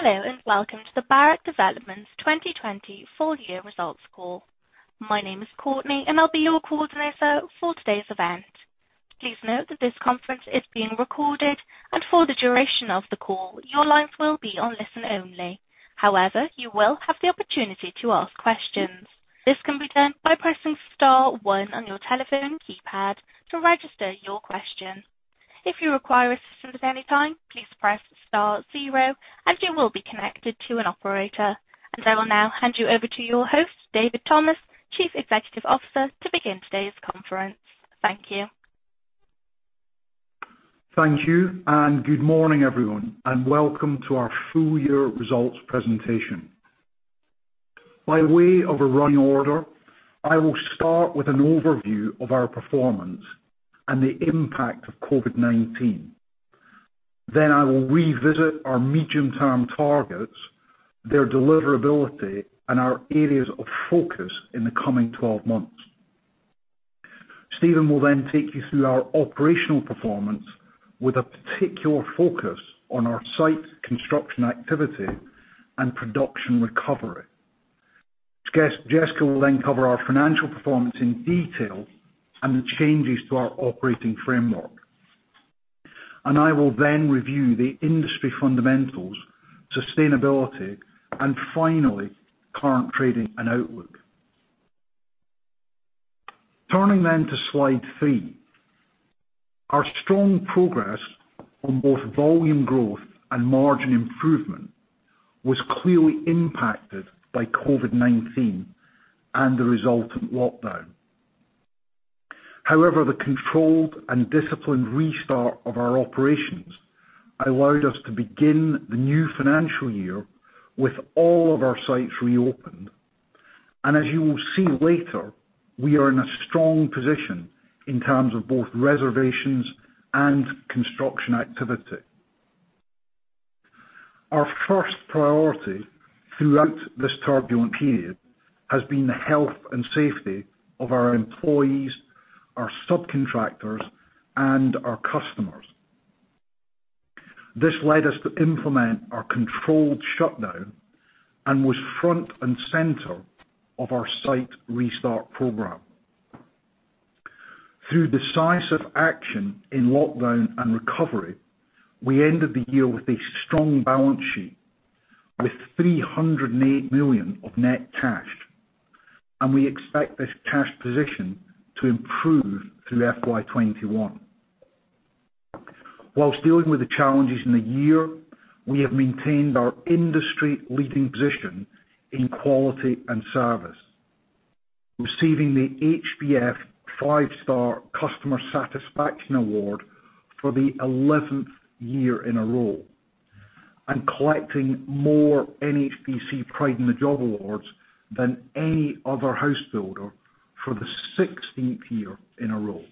Hello, and welcome to the Barratt Developments 2020 full-year results call. My name is Courtney, and I will be your coordinator for today's event. Please note that this conference is being recorded, and for the duration of the call, your lines will be on listen only. However, you will have the opportunity to ask questions. This can be done by pressing star one on your telephone keypad to register your question. If you require assistance at any time, please press star zero and you will be connected to an operator. I will now hand you over to your host, David Thomas, Chief Executive Officer, to begin today's conference. Thank you. Thank you, good morning, everyone, and welcome to our full-year results presentation. By way of a running order, I will start with an overview of our performance and the impact of COVID-19. I will revisit our medium-term targets, their deliverability, and our areas of focus in the coming 12 months. Steven will then take you through our operational performance with a particular focus on our site construction activity and production recovery. Jessica will then cover our financial performance in detail and the changes to our operating framework. I will then review the industry fundamentals, sustainability, and finally, current trading and outlook. Turning to slide three. Our strong progress on both volume growth and margin improvement was clearly impacted by COVID-19 and the resultant lockdown. However, the controlled and disciplined restart of our operations allowed us to begin the new financial year with all of our sites reopened. As you will see later, we are in a strong position in terms of both reservations and construction activity. Our first priority throughout this turbulent period has been the health and safety of our employees, our subcontractors, and our customers. This led us to implement our controlled shutdown and was front and center of our site restart program. Through decisive action in lockdown and recovery, we ended the year with a strong balance sheet, with 308 million of net cash, and we expect this cash position to improve through FY 2021. Whilst dealing with the challenges in the year, we have maintained our industry-leading position in quality and service, receiving the HBF 5 Star Customer Satisfaction award for the 11th year in a row and collecting more NHBC Pride in the Job awards than any other house builder for the 16th year in a row.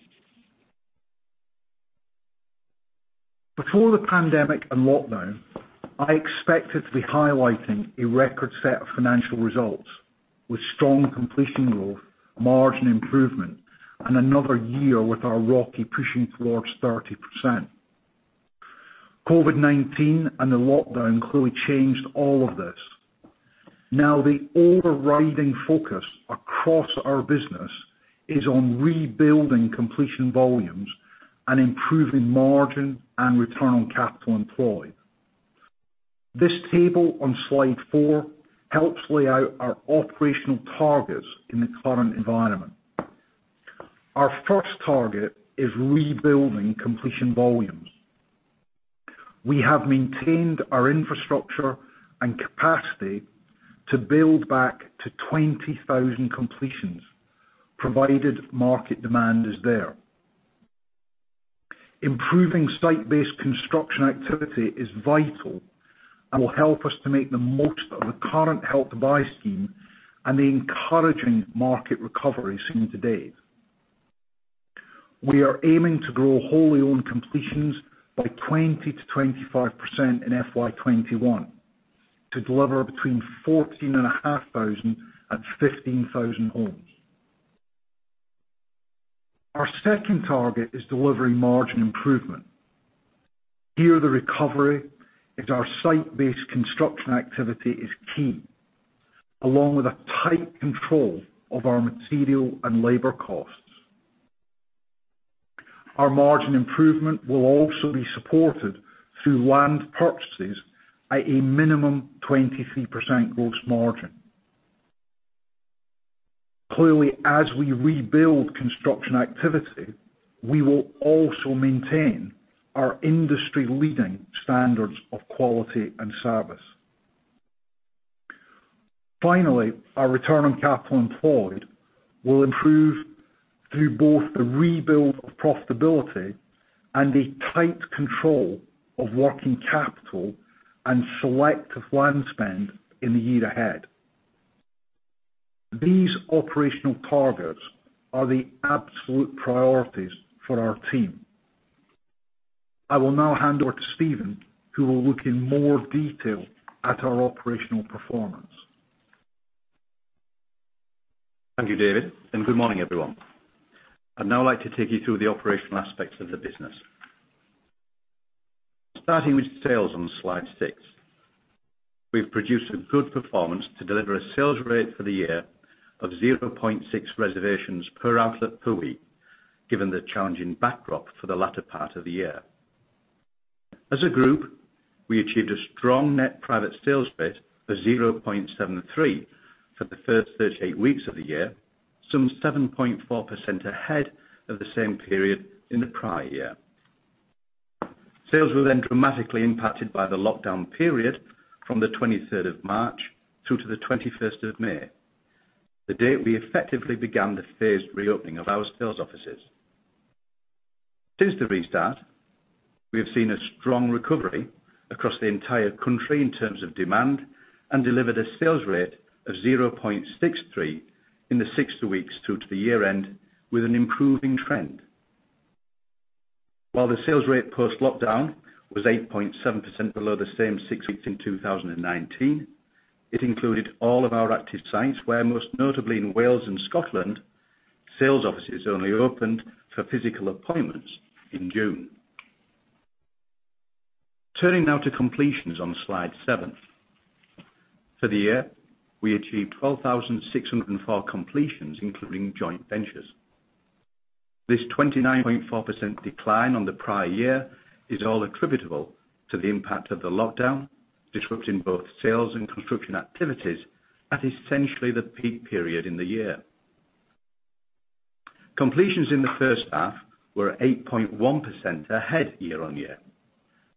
Before the pandemic and lockdown, I expected to be highlighting a record set of financial results with strong completion growth, margin improvement, and another year with our ROCE pushing towards 30%. COVID-19 and the lockdown clearly changed all of this. Now the overriding focus across our business is on rebuilding completion volumes and improving margin and return on capital employed. This table on slide four helps lay out our operational targets in the current environment. Our first target is rebuilding completion volumes. We have maintained our infrastructure and capacity to build back to 20,000 completions, provided market demand is there. Improving site-based construction activity is vital and will help us to make the most of the current Help to Buy scheme and the encouraging market recovery seen to date. We are aiming to grow wholly owned completions by 20%-25% in FY 2021, to deliver between 14,500 and 15,000 homes. Our second target is delivering margin improvement. Here, the recovery is our site-based construction activity is key, along with a tight control of our material and labor costs. Our margin improvement will also be supported through land purchases at a minimum 23% gross margin. Clearly, as we rebuild construction activity, we will also maintain our industry-leading standards of quality and service. Finally, our return on capital employed will improve through both the rebuild of profitability and a tight control of working capital and selective land spend in the year ahead. These operational targets are the absolute priorities for our team. I will now hand over to Steven, who will look in more detail at our operational performance Thank you, David, and good morning, everyone. I'd now like to take you through the operational aspects of the business. Starting with sales on slide six. We've produced a good performance to deliver a sales rate for the year of 0.6 reservations per outlet per week, given the challenging backdrop for the latter part of the year. As a group, we achieved a strong net private sales rate of 0.73 for the first 38 weeks of the year, some 7.4% ahead of the same period in the prior year. Sales were dramatically impacted by the lockdown period from the 23rd of March through to the 21st of May, the date we effectively began the phased reopening of our sales offices. Since the restart, we have seen a strong recovery across the entire country in terms of demand and delivered a sales rate of 0.63 in the six weeks through to the year end, with an improving trend. While the sales rate post-lockdown was 8.7% below the same six weeks in 2019, it included all of our active sites where, most notably in Wales and Scotland, sales offices only opened for physical appointments in June. Turning now to completions on slide seven. For the year, we achieved 12,604 completions, including joint ventures. This 29.4% decline on the prior year is all attributable to the impact of the lockdown, disrupting both sales and construction activities at essentially the peak period in the year. Completions in the first half were 8.1% ahead year-on-year.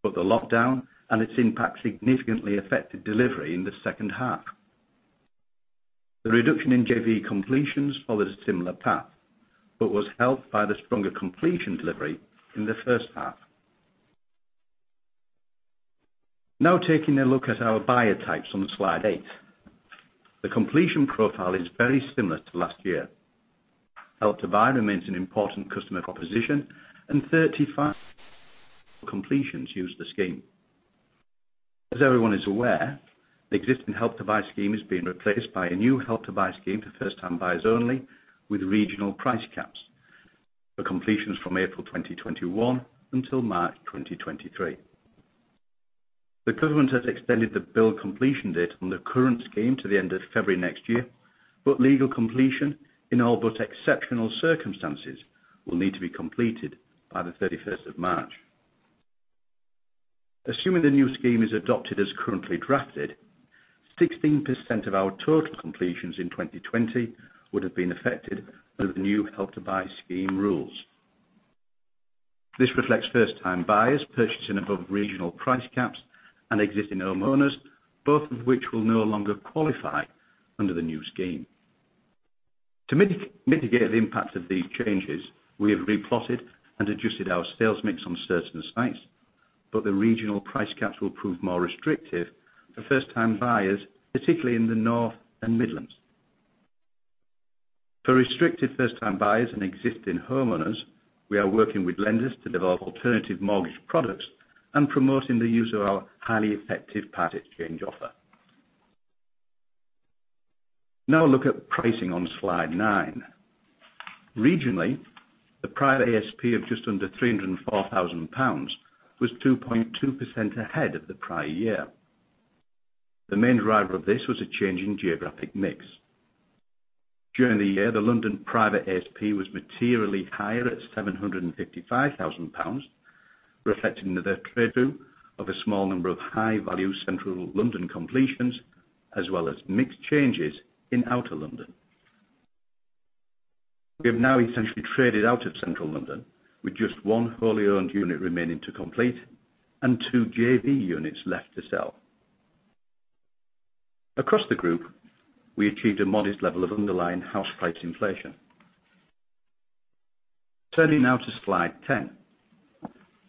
The lockdown and its impact significantly affected delivery in the second half. The reduction in JV completions followed a similar path but was helped by the stronger completion delivery in the first half. Taking a look at our buyer types on slide eight. The completion profile is very similar to last year. Help to Buy remains an important customer proposition and 35 [inaudible] completions used the scheme. As everyone is aware, the existing Help to Buy scheme is being replaced by a new Help to Buy scheme for first-time buyers only, with regional price caps for completions from April 2021 until March 2023. The government has extended the build completion date on the current scheme to the end of February next year, but legal completion, in all but exceptional circumstances, will need to be completed by the 31st of March. Assuming the new scheme is adopted as currently drafted, 16% of our total completions in 2020 would have been affected under the new Help to Buy scheme rules. This reflects first-time buyers purchasing above regional price caps and existing homeowners, both of which will no longer qualify under the new scheme. To mitigate the impact of these changes, we have replotted and adjusted our sales mix on certain sites, the regional price caps will prove more restrictive for first-time buyers, particularly in the North and Midlands. For restricted first-time buyers and existing homeowners, we are working with lenders to develop alternative mortgage products and promoting the use of our highly effective Part Exchange offer. Look at pricing on slide nine. Regionally, the private ASP of just under 304,000 pounds was 2.2% ahead of the prior year. The main driver of this was a change in geographic mix. During the year, the London private ASP was materially higher at 755,000 pounds, reflecting the trade-through of a small number of high-value Central London completions, as well as mix changes in Outer London. We have now essentially traded out of Central London with just one wholly owned unit remaining to complete and two JV units left to sell. Across the group, we achieved a modest level of underlying house price inflation. Turning now to slide 10.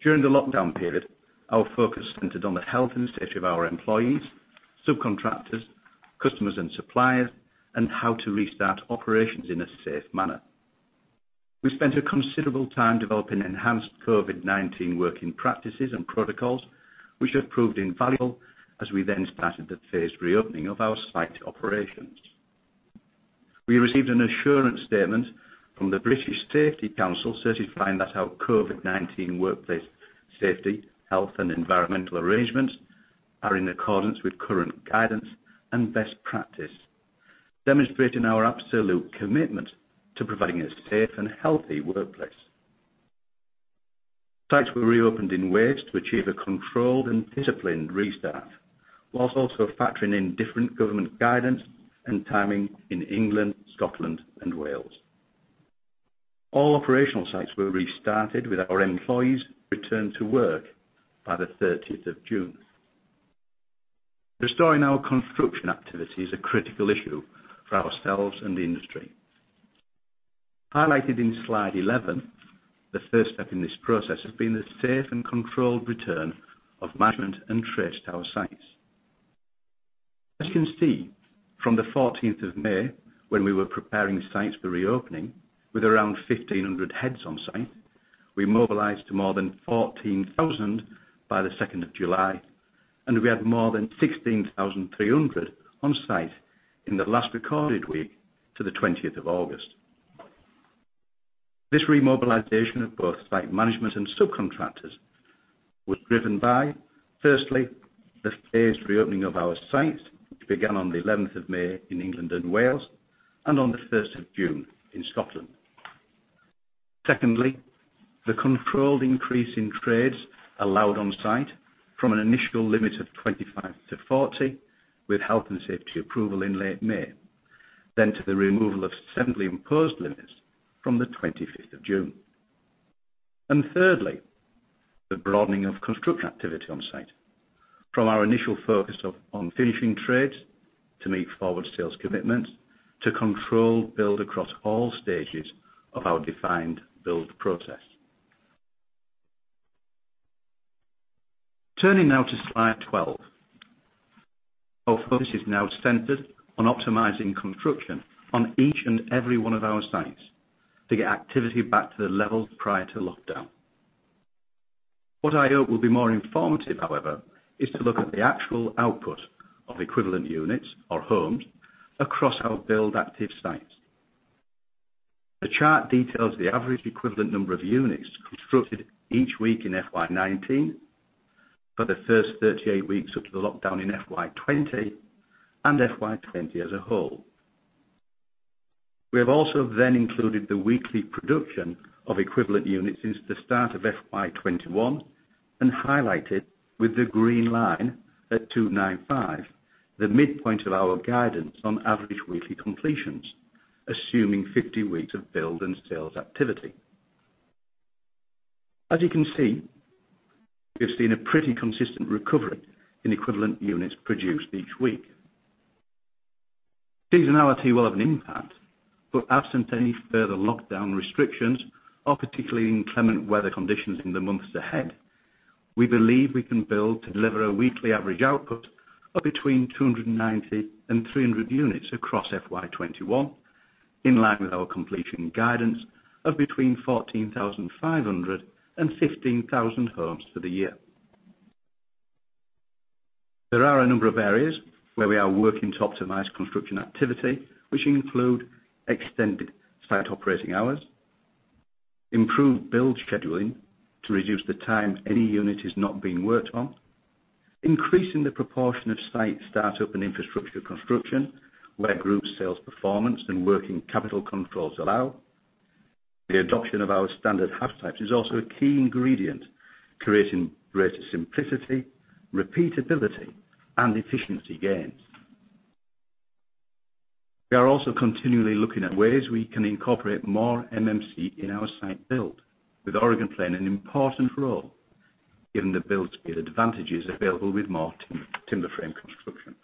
During the lockdown period, our focus centered on the health and safety of our employees, subcontractors, customers and suppliers, and how to restart operations in a safe manner. We spent a considerable time developing enhanced COVID-19 working practices and protocols, which have proved invaluable as we then started the phased reopening of our site operations. We received an assurance statement from the British Safety Council certifying that our COVID-19 workplace safety, health, and environmental arrangements are in accordance with current guidance and best practice, demonstrating our absolute commitment to providing a safe and healthy workplace. Sites were reopened in waves to achieve a controlled and disciplined restart, while also factoring in different government guidance and timing in England, Scotland, and Wales. All operational sites were restarted with our employees returned to work by the 30th of June. Restoring our construction activity is a critical issue for ourselves and the industry. Highlighted in slide 11, the first step in this process has been the safe and controlled return of management and trades to our sites. As you can see, from the 14th of May, when we were preparing sites for reopening with around 1,500 heads on site, we mobilized to more than 14,000 by the 2nd of July. We had more than 16,300 on site in the last recorded week to the 20th of August. This remobilization of both site management and subcontractors was driven by, firstly, the phased reopening of our sites, which began on the 11th of May in England and Wales, and on the 1st of June in Scotland. Secondly, the controlled increase in trades allowed on-site from an initial limit of 25 to 40, with health and safety approval in late May. To the removal of assembly imposed limits from the 25th of June. Thirdly, the broadening of construction activity on site from our initial focus on finishing trades to meet forward sales commitments, to control build across all stages of our defined build process. Turning now to slide 12. Our focus is now centered on optimizing construction on each and every one of our sites to get activity back to the levels prior to lockdown. What I hope will be more informative, however, is to look at the actual output of equivalent units or homes across our build active sites. The chart details the average equivalent number of units constructed each week in FY 2019 for the first 38 weeks up to the lockdown in FY 2020 and FY 2020 as a whole. We have also then included the weekly production of equivalent units since the start of FY 2021 and highlighted with the green line at 295, the midpoint of our guidance on average weekly completions, assuming 50 weeks of build and sales activity. As you can see, we've seen a pretty consistent recovery in equivalent units produced each week. Seasonality will have an impact, but absent any further lockdown restrictions or particularly inclement weather conditions in the months ahead, we believe we can build to deliver a weekly average output of between 290 and 300 units across FY 2021, in line with our completion guidance of between 14,500 and 15,000 homes for the year. There are a number of areas where we are working to optimize construction activity, which include extended site operating hours, improved build scheduling to reduce the time any unit is not being worked on, increasing the proportion of site startup and infrastructure construction where group sales performance and working capital controls allow. The adoption of our standard house types is also a key ingredient, creating greater simplicity, repeatability, and efficiency gains. We are also continually looking at ways we can incorporate more MMC in our site build, with Oregon playing an important role given the build speed advantages available with more timber frame construction.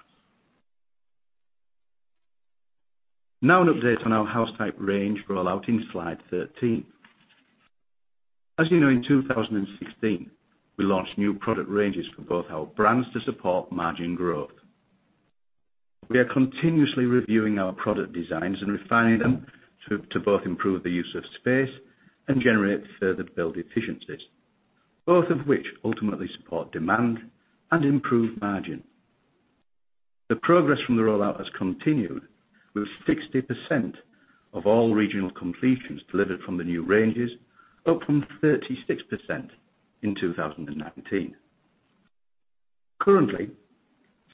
Now an update on our house type range roll out in slide 13. As you know, in 2016, we launched new product ranges for both our brands to support margin growth. We are continuously reviewing our product designs and refining them to both improve the use of space and generate further build efficiencies, both of which ultimately support demand and improve margin. The progress from the rollout has continued, with 60% of all regional completions delivered from the new ranges, up from 36% in 2019. Currently,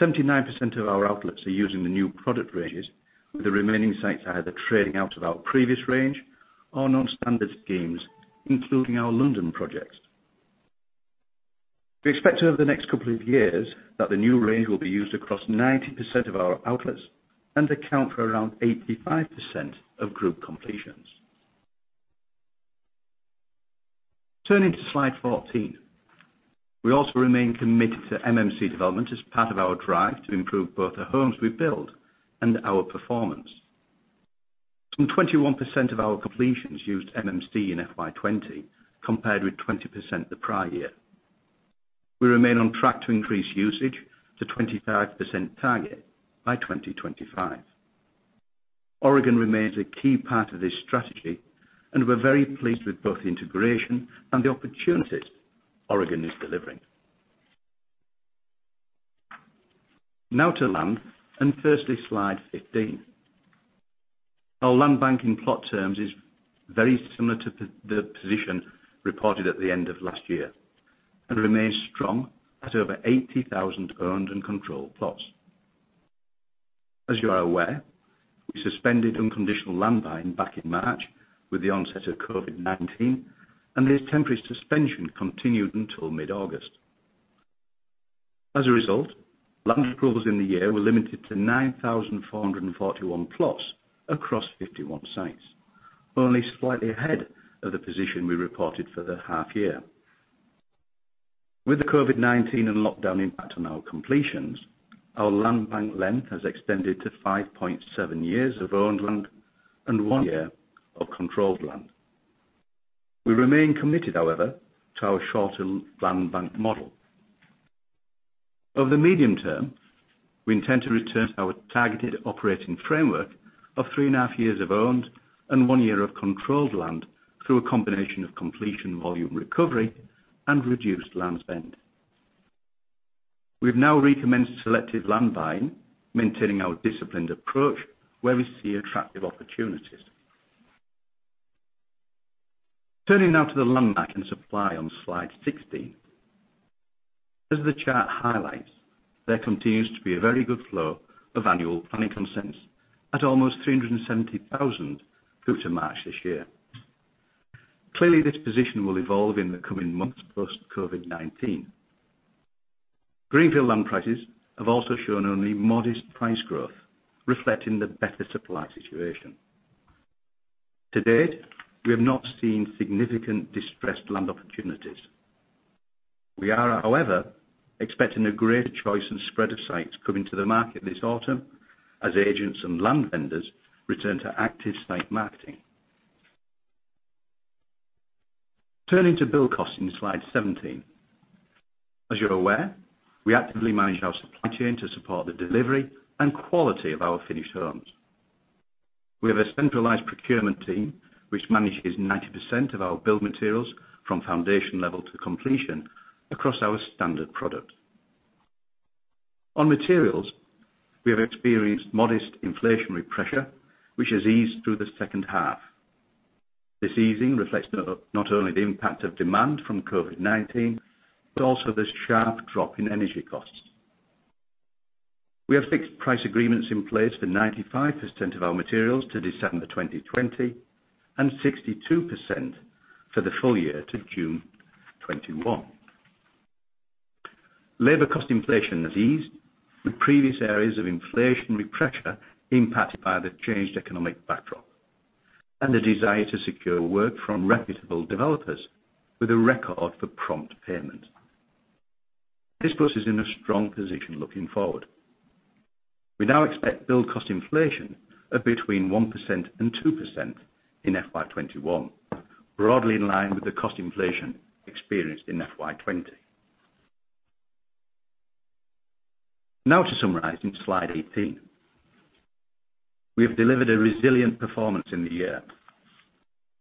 79% of our outlets are using the new product ranges, with the remaining sites either trading out of our previous range or non-standard schemes, including our London projects. We expect over the next couple of years that the new range will be used across 90% of our outlets and account for around 85% of group completions. Turning to slide 14. We also remain committed to MMC development as part of our drive to improve both the homes we build and our performance. Some 21% of our completions used MMC in FY 2020, compared with 20% the prior year. We remain on track to increase usage to 25% target by 2025. Oregon remains a key part of this strategy, and we're very pleased with both the integration and the opportunities Oregon is delivering. To land, firstly slide 15. Our land banking plot terms is very similar to the position reported at the end of last year and remains strong at over 80,000 owned and controlled plots. As you are aware, we suspended unconditional land buying back in March with the onset of COVID-19. The temporary suspension continued until mid-August. As a result, land approvals in the year were limited to 9,441 plots across 51 sites, only slightly ahead of the position we reported for the half year. With the COVID-19 and lockdown impact on our completions, our land bank length has extended to 5.7 years of owned land and one year of controlled land. We remain committed, however, to our shorter land bank model. Over the medium term. We intend to return to our targeted operating framework of three and a half years of owned and one year of controlled land through a combination of completion volume recovery and reduced land spend. We have now recommenced selective land buying, maintaining our disciplined approach where we see attractive opportunities. Turning now to the land bank and supply on slide 16. As the chart highlights, there continues to be a very good flow of annual planning consents at almost 370,000 through to March this year. Clearly, this position will evolve in the coming months post-COVID-19. Greenfield land prices have also shown only modest price growth, reflecting the better supply situation. To date, we have not seen significant distressed land opportunities. We are, however, expecting a greater choice and spread of sites coming to the market this autumn as agents and land vendors return to active site marketing. Turning to build cost in slide 17. As you are aware, we actively manage our supply chain to support the delivery and quality of our finished homes. We have a centralized procurement team which manages 90% of our build materials from foundation level to completion across our standard product. On materials, we have experienced modest inflationary pressure, which has eased through the second half. This easing reflects not only the impact of demand from COVID-19, but also the sharp drop in energy costs. We have fixed price agreements in place for 95% of our materials to December 2020 and 62% for the full year to June 2021. Labor cost inflation has eased with previous areas of inflationary pressure impacted by the changed economic backdrop and the desire to secure work from reputable developers with a record for prompt payment. This puts us in a strong position looking forward. We now expect build cost inflation of between 1% and 2% in FY 2021, broadly in line with the cost inflation experienced in FY 2020. To summarize in slide 18. We have delivered a resilient performance in the year.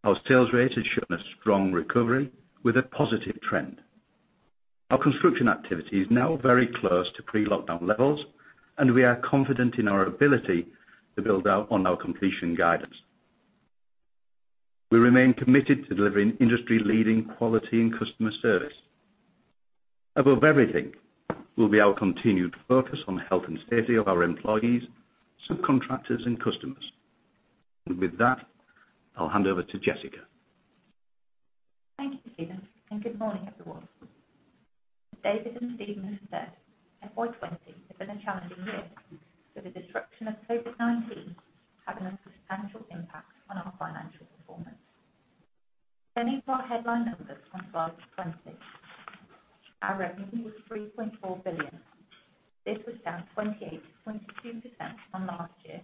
Our sales rate has shown a strong recovery with a positive trend. Our construction activity is now very close to pre-lockdown levels, and we are confident in our ability to build out on our completion guidance. We remain committed to delivering industry-leading quality and customer service. Above everything will be our continued focus on health and safety of our employees, subcontractors, and customers. With that, I'll hand over to Jessica. Thank you, Steven, and good morning, everyone. As David and Steven have said, FY 2020 has been a challenging year, with the disruption of COVID-19 having a substantial impact on our financial performance. Turning to our headline numbers on slide 20. Our revenue was 3.4 billion. This was down 28.2% from last year,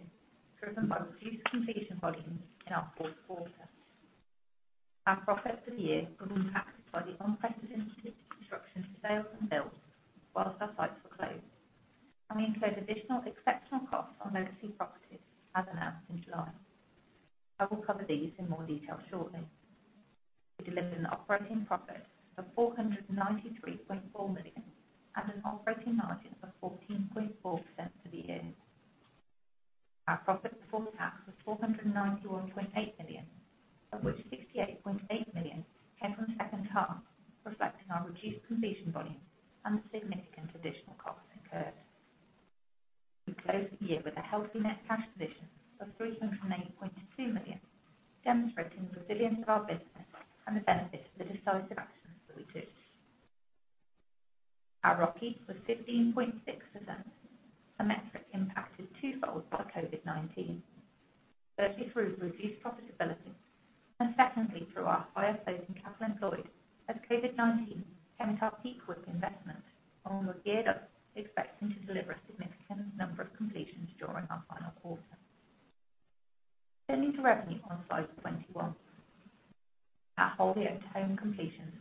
driven by reduced completion volumes in our fourth quarter. Our profit for the year was impacted by the unprecedented restrictions for sales and build whilst our sites were closed, and we include additional exceptional costs on legacy properties as announced in July. I will cover these in more detail shortly. We delivered an operating profit of 493.4 million and an operating margin of 14.4% for the year. Our profit before tax was 491.8 million, of which 68.8 million came from the second half, reflecting our reduced completion volume and the significant additional costs incurred. We closed the year with a healthy net cash position of 308.2 million, demonstrating the resilience of our business and the benefit of the decisive actions that we took. Our ROCE was 15.6%, a metric impacted twofold by COVID-19, firstly through reduced profitability, and secondly through our higher closing capital employed as COVID-19 came at our peak WIP investments and we were geared up expecting to deliver a significant number of completions during our final quarter. Turning to revenue on Slide 21. Our wholly owned home completions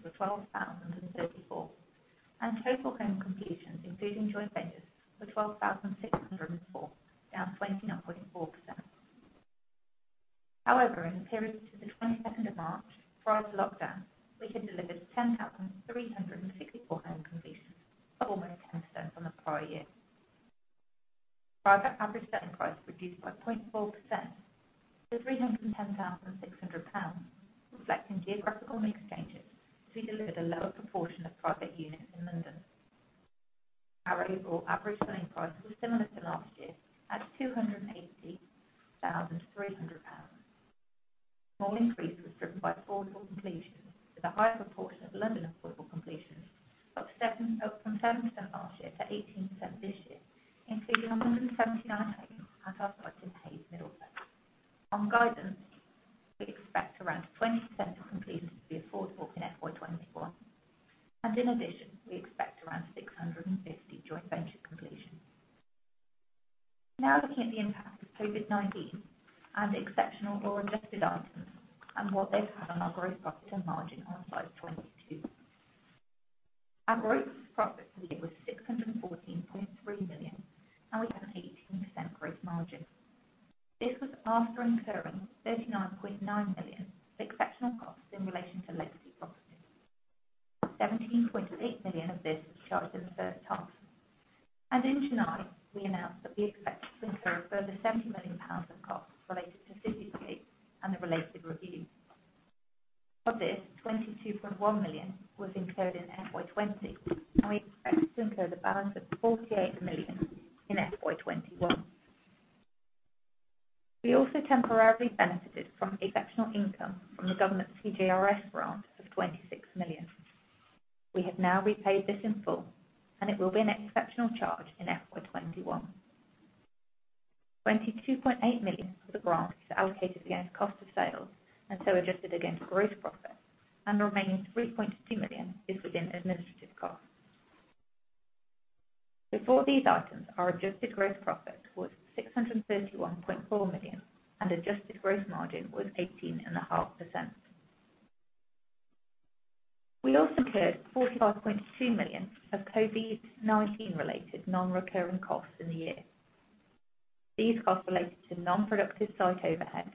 These costs related to non-productive site overheads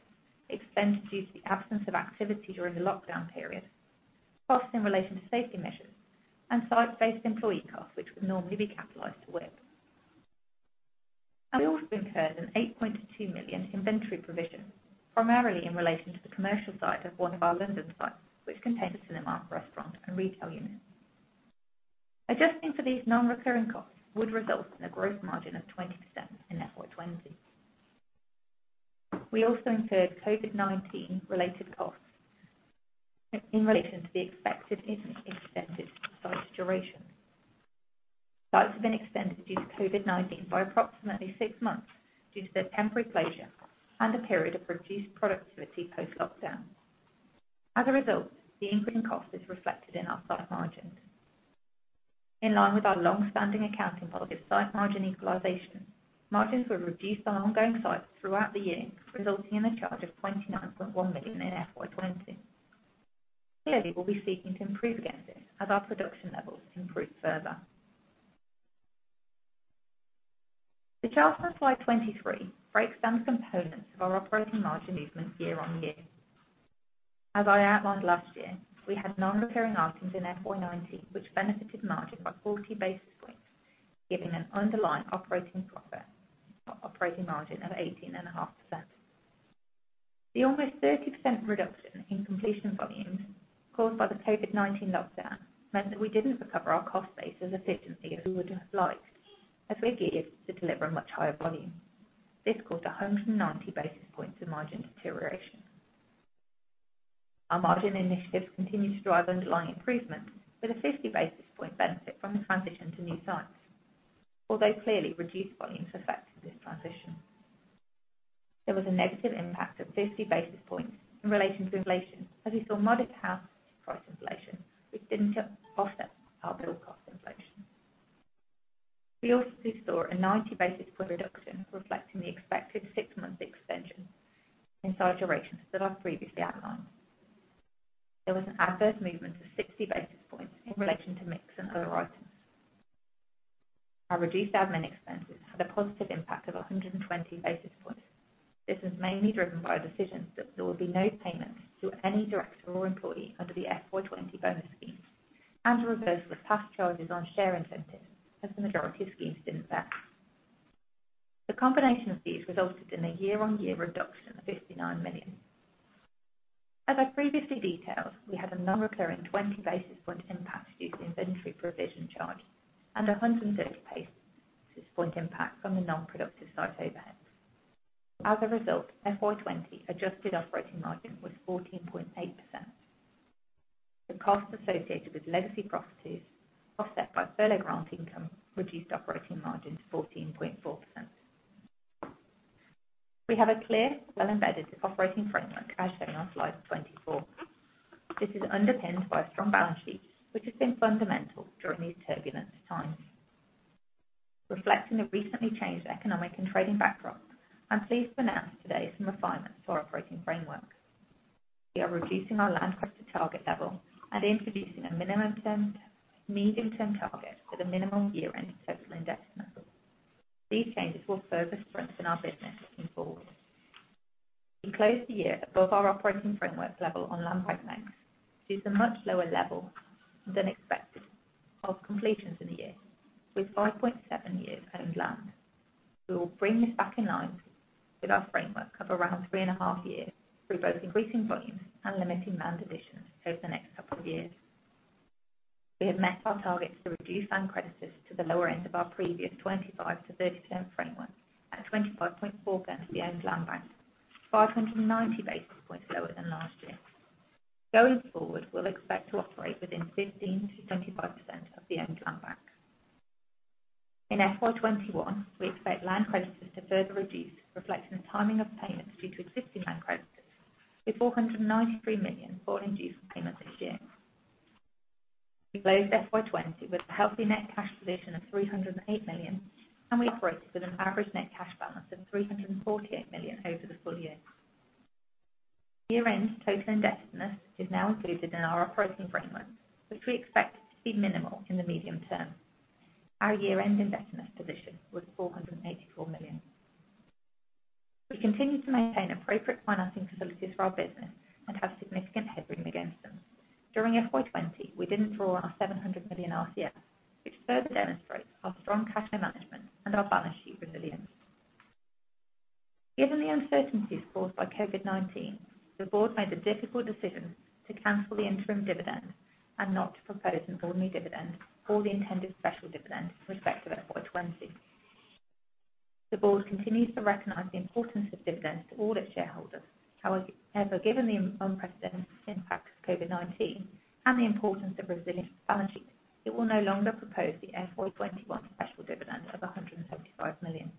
extended due to the absence of activity during the lockdown period, costs in relation to safety measures, and site-based employee costs, which would normally be capitalized to WIP. We also incurred a 8.2 million inventory provision, primarily in relation to the commercial site of one of our London sites, which contains a cinema, restaurant, and retail unit. Adjusting for these non-recurring costs would result in a gross margin of 20% in FY 2020. We also incurred COVID-19-related costs in relation to the expected site durations. Sites have been extended due to COVID-19 by approximately six months due to their temporary closure and a period of reduced productivity post-lockdown. As a result, the increase in cost is reflected in our site margins. In line with our long-standing accounting policy of site margin equalization, margins were reduced on ongoing sites throughout the year, resulting in a charge of 29.1 million in FY 2020. Clearly, we'll be seeking to improve against this as our production levels improve further. The chart on slide 23 breaks down the components of our operating margin movement year on year. As I outlined last year, we had non-recurring items in FY 2019, which benefited margin by 40 basis points, giving an underlying operating margin of 18.5%. The almost 30% reduction in completion volumes caused by the COVID-19 lockdown meant that we didn't recover our cost base as efficiently as we would have liked, as we are geared to deliver a much higher volume. This caused 190 basis points of margin deterioration. Our margin initiatives continue to drive underlying improvement with a 50 basis point benefit from the transition to new sites. Although clearly, reduced volumes affected this transition. There was a negative impact of 50 basis points in relation to inflation as we saw modest house price inflation, which didn't offset our build cost inflation. We also saw a 90-basis-point reduction reflecting the expected six-month extension in site durations that I previously outlined. There was an adverse movement of 60 basis points in relation to mix and other items. Our reduced admin expenses had a positive impact of 120 basis points. This was mainly driven by a decision that there will be no payments to any director or employee under the FY 2020 bonus scheme and a reversal of past charges on share incentives as the majority of schemes didn't vest. The combination of these resulted in a year-on-year reduction of 59 million. As I previously detailed, we had a non-recurring 20-basis-point impact due to the inventory provision charge and 130-basis-point impact from the non-productive site overheads. As a result, FY 2020 adjusted operating margin was 14.8%. The costs associated with legacy properties offset by furlough grant income reduced operating margin to 14.4%. We have a clear, well-embedded operating framework as shown on slide 24. This is underpinned by a strong balance sheet, which has been fundamental during these turbulent times. Reflecting the recently changed economic and trading backdrop, I'm pleased to announce today some refinements to our operating framework. We are reducing our land cost to target level and introducing a medium-term target for the minimum year-end total indebtedness level. These changes will further strengthen our business looking forward. We closed the year above our operating framework level on land bank length, which is a much lower level than expected of completions in the year, with 5.7 years owned land. We will bring this back in line with our framework of around three and a half years through both increasing volumes and limiting land additions over the next couple of years. We have met our targets to reduce land creditors to the lower end of our previous 25%-30% framework at 25.4% of the owned land bank, 590 basis points lower than last year. Going forward, we'll expect to operate within 15%-25% of the owned land bank. In FY 2021, we expect land creditors to further reduce, reflecting the timing of payments due to existing land creditors, with 493 million falling due for payment this year. We closed FY 2020 with a healthy net cash position of 308 million, and we operated with an average net cash balance of 348 million over the full year. Year-end total indebtedness is now included in our operating framework, which we expect to be minimal in the medium term. Our year-end indebtedness position was 484 million. We continue to maintain appropriate financing facilities for our business and have significant headroom against them. During FY 2020, we didn't draw our 700 million RCF, which further demonstrates our strong cash flow management and our balance sheet resilience. Given the uncertainties caused by COVID-19, the Board made the difficult decision to cancel the interim dividend and not to propose an ordinary dividend or the intended special dividend in respect of FY 2020. The Board continues to recognize the importance of dividends to all its shareholders. However, given the unprecedented impact of COVID-19 and the importance of resilient balance sheets, it will no longer propose the FY 2021 special dividend of 175 million.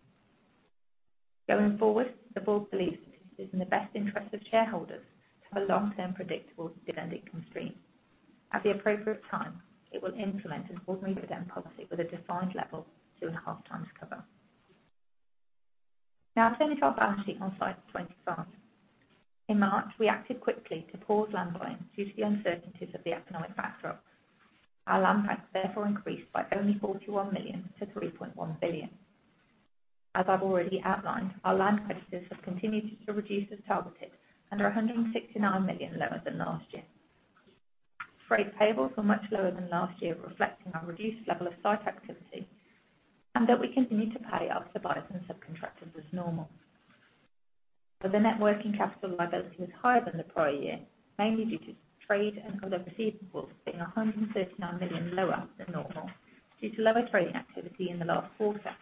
Going forward, the Board believes it is in the best interest of shareholders to have a long-term predictable dividend income stream. At the appropriate time, it will implement an ordinary dividend policy with a defined level 2.5x cover. Now I turn to our balance sheet on slide 25. In March, we acted quickly to pause land buying due to the uncertainties of the economic backdrop. Our land bank therefore increased by only 41 million to 3.1 billion. As I've already outlined, our land creditors have continued to reduce as targeted and are 169 million lower than last year. Trade payables were much lower than last year, reflecting our reduced level of site activity, and that we continue to pay our suppliers and subcontractors as normal. The net working capital liability was higher than the prior year, mainly due to trade and other receivables being 139 million lower than normal due to lower trading activity in the last quarter,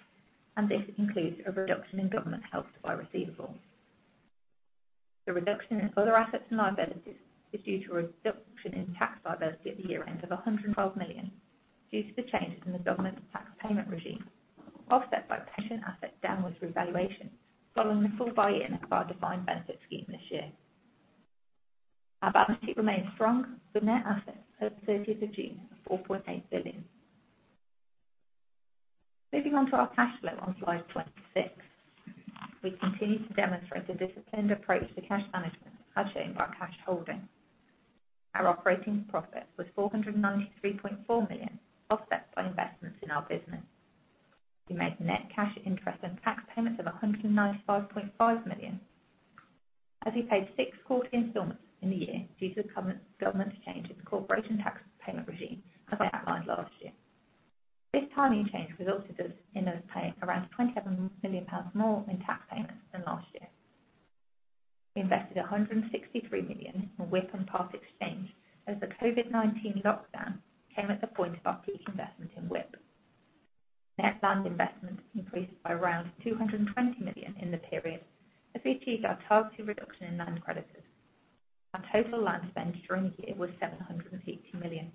and this includes a reduction in government Help to Buy receivables. The reduction in other assets and liabilities is due to a reduction in tax liability at the year end of 112 million due to the changes in the government tax payment regime, offset by pension asset downward revaluation following the full buy-in of our defined benefit scheme this year. Our balance sheet remains strong, with net assets at the 30th of June of 4.8 billion. Moving on to our cash flow on slide 26. We continue to demonstrate a disciplined approach to cash management, as shown by our cash holdings. Our operating profit was 493.4 million, offset by investments in our business. We made net cash interest and tax payments of 195.5 million, as we paid six quarter installments in the year due to the government change in the corporation tax payment regime, as I outlined last year. This timing change resulted in us paying around 27 million pounds more in tax payments than last year. We invested 163 million in WIP and Part Exchange as the COVID-19 lockdown came at the point of our peak investment in WIP. Net land investment increased by around 220 million in the period. This achieved our targeted reduction in land creditors. Our total land spend during the year was 780 million.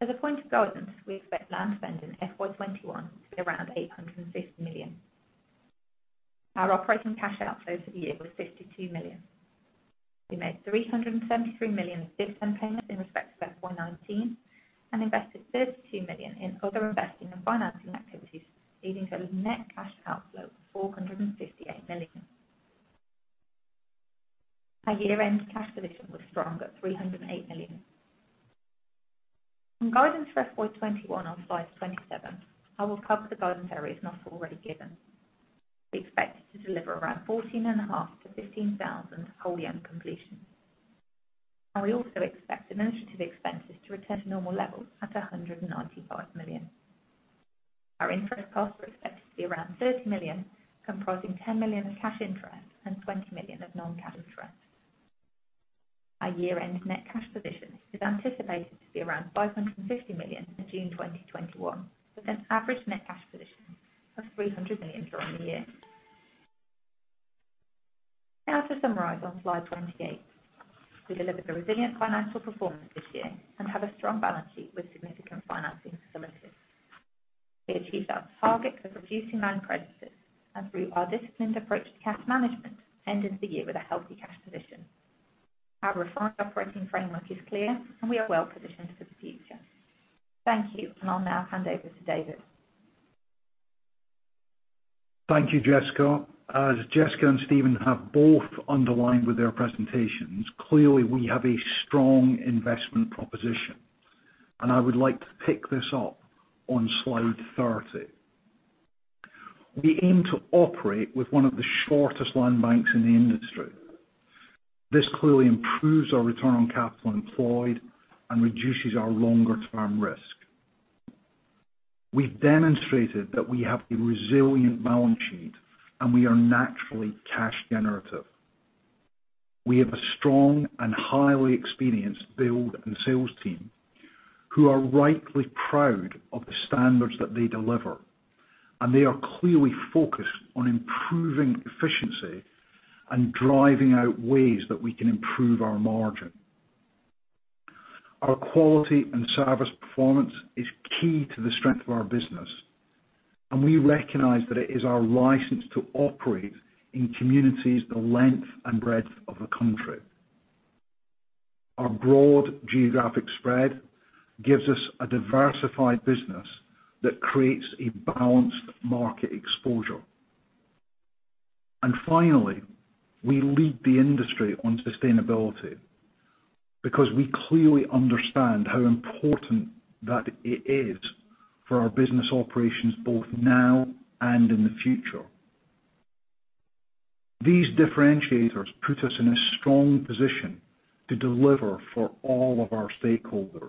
As a point of guidance, we expect land spend in FY 2021 to be around 850 million. Our operating cash outflows for the year were 52 million. We made 373 million in dividend payments in respect of FY 2019 and invested 32 million in other investing and financing activities, leading to a net cash outflow of 458 million. Our year-end cash position was strong at 308 million. On guidance for FY 2021 on slide 27, I will cover the guidance areas not already given. We expect to deliver around 14,500-15,000 whole-year completions. We also expect administrative expenses to return to normal levels at 195 million. Our interest costs are expected to be around 30 million, comprising 10 million of cash interest and 20 million of non-cash interest. Our year-end net cash position is anticipated to be around 550 million for June 2021, with an average net cash position of 300 million during the year. To summarize on slide 28. We delivered a resilient financial performance this year and have a strong balance sheet with significant financing facilities. We achieved our target of reducing land creditors and through our disciplined approach to cash management, ended the year with a healthy cash position. Our refined operating framework is clear, and we are well positioned for the future. Thank you, and I'll now hand over to David. Thank you, Jessica. As Jessica and Steven have both underlined with their presentations, clearly we have a strong investment proposition, and I would like to pick this up on slide 30. We aim to operate with one of the shortest land banks in the industry. This clearly improves our return on capital employed and reduces our longer-term risk. We've demonstrated that we have a resilient balance sheet, and we are naturally cash generative. We have a strong and highly experienced build and sales team who are rightly proud of the standards that they deliver, and they are clearly focused on improving efficiency and driving out ways that we can improve our margin. Our quality and service performance is key to the strength of our business. We recognize that it is our license to operate in communities the length and breadth of the country. Our broad geographic spread gives us a diversified business that creates a balanced market exposure. Finally, we lead the industry on sustainability because we clearly understand how important that it is for our business operations both now and in the future. These differentiators put us in a strong position to deliver for all of our stakeholders.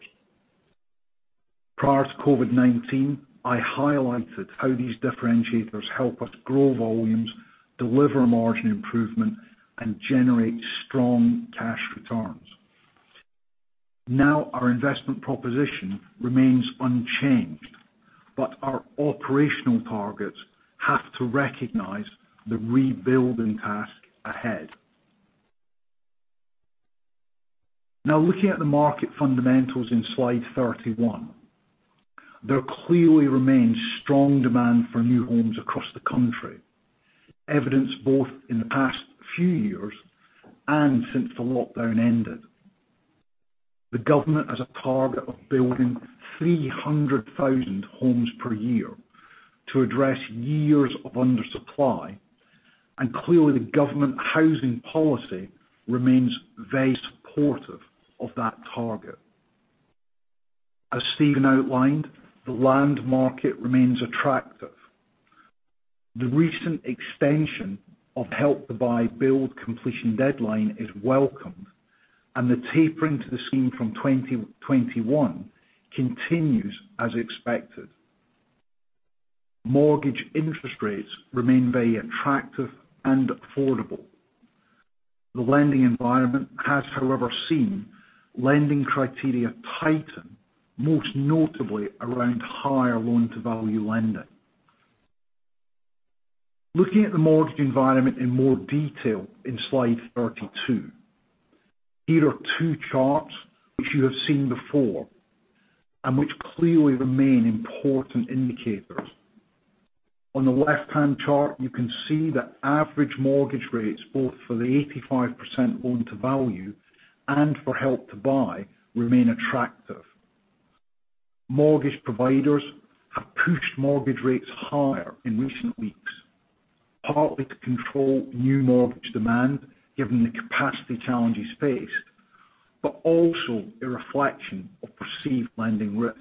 Prior to COVID-19, I highlighted how these differentiators help us grow volumes, deliver margin improvement, and generate strong cash returns. Our investment proposition remains unchanged, but our operational targets have to recognize the rebuilding task ahead. Looking at the market fundamentals in slide 31, there clearly remains strong demand for new homes across the country, evidenced both in the past few years and since the lockdown ended. The government has a target of building 300,000 homes per year to address years of undersupply, and clearly the government housing policy remains very supportive of that target. As Steven outlined, the land market remains attractive. The recent extension of Help to Buy build completion deadline is welcomed, and the tapering to the scheme from 2021 continues as expected. Mortgage interest rates remain very attractive and affordable. The lending environment has, however, seen lending criteria tighten, most notably around higher loan-to-value lending. Looking at the mortgage environment in more detail in slide 32, here are two charts which you have seen before and which clearly remain important indicators. On the left-hand chart, you can see that average mortgage rates, both for the 85% loan to value and for Help to Buy, remain attractive. Mortgage providers have pushed mortgage rates higher in recent weeks, partly to control new mortgage demand given the capacity challenges faced, but also a reflection of perceived lending risk.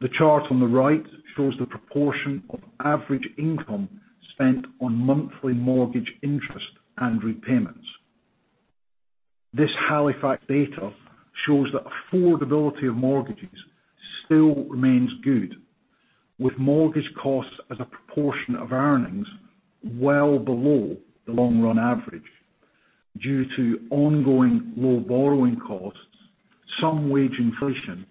The chart on the right shows the proportion of average income spent on monthly mortgage interest and repayments. This Halifax data shows that affordability of mortgages still remains good. With mortgage costs as a proportion of earnings well below the long-run average due to ongoing low borrowing costs, some wage inflation,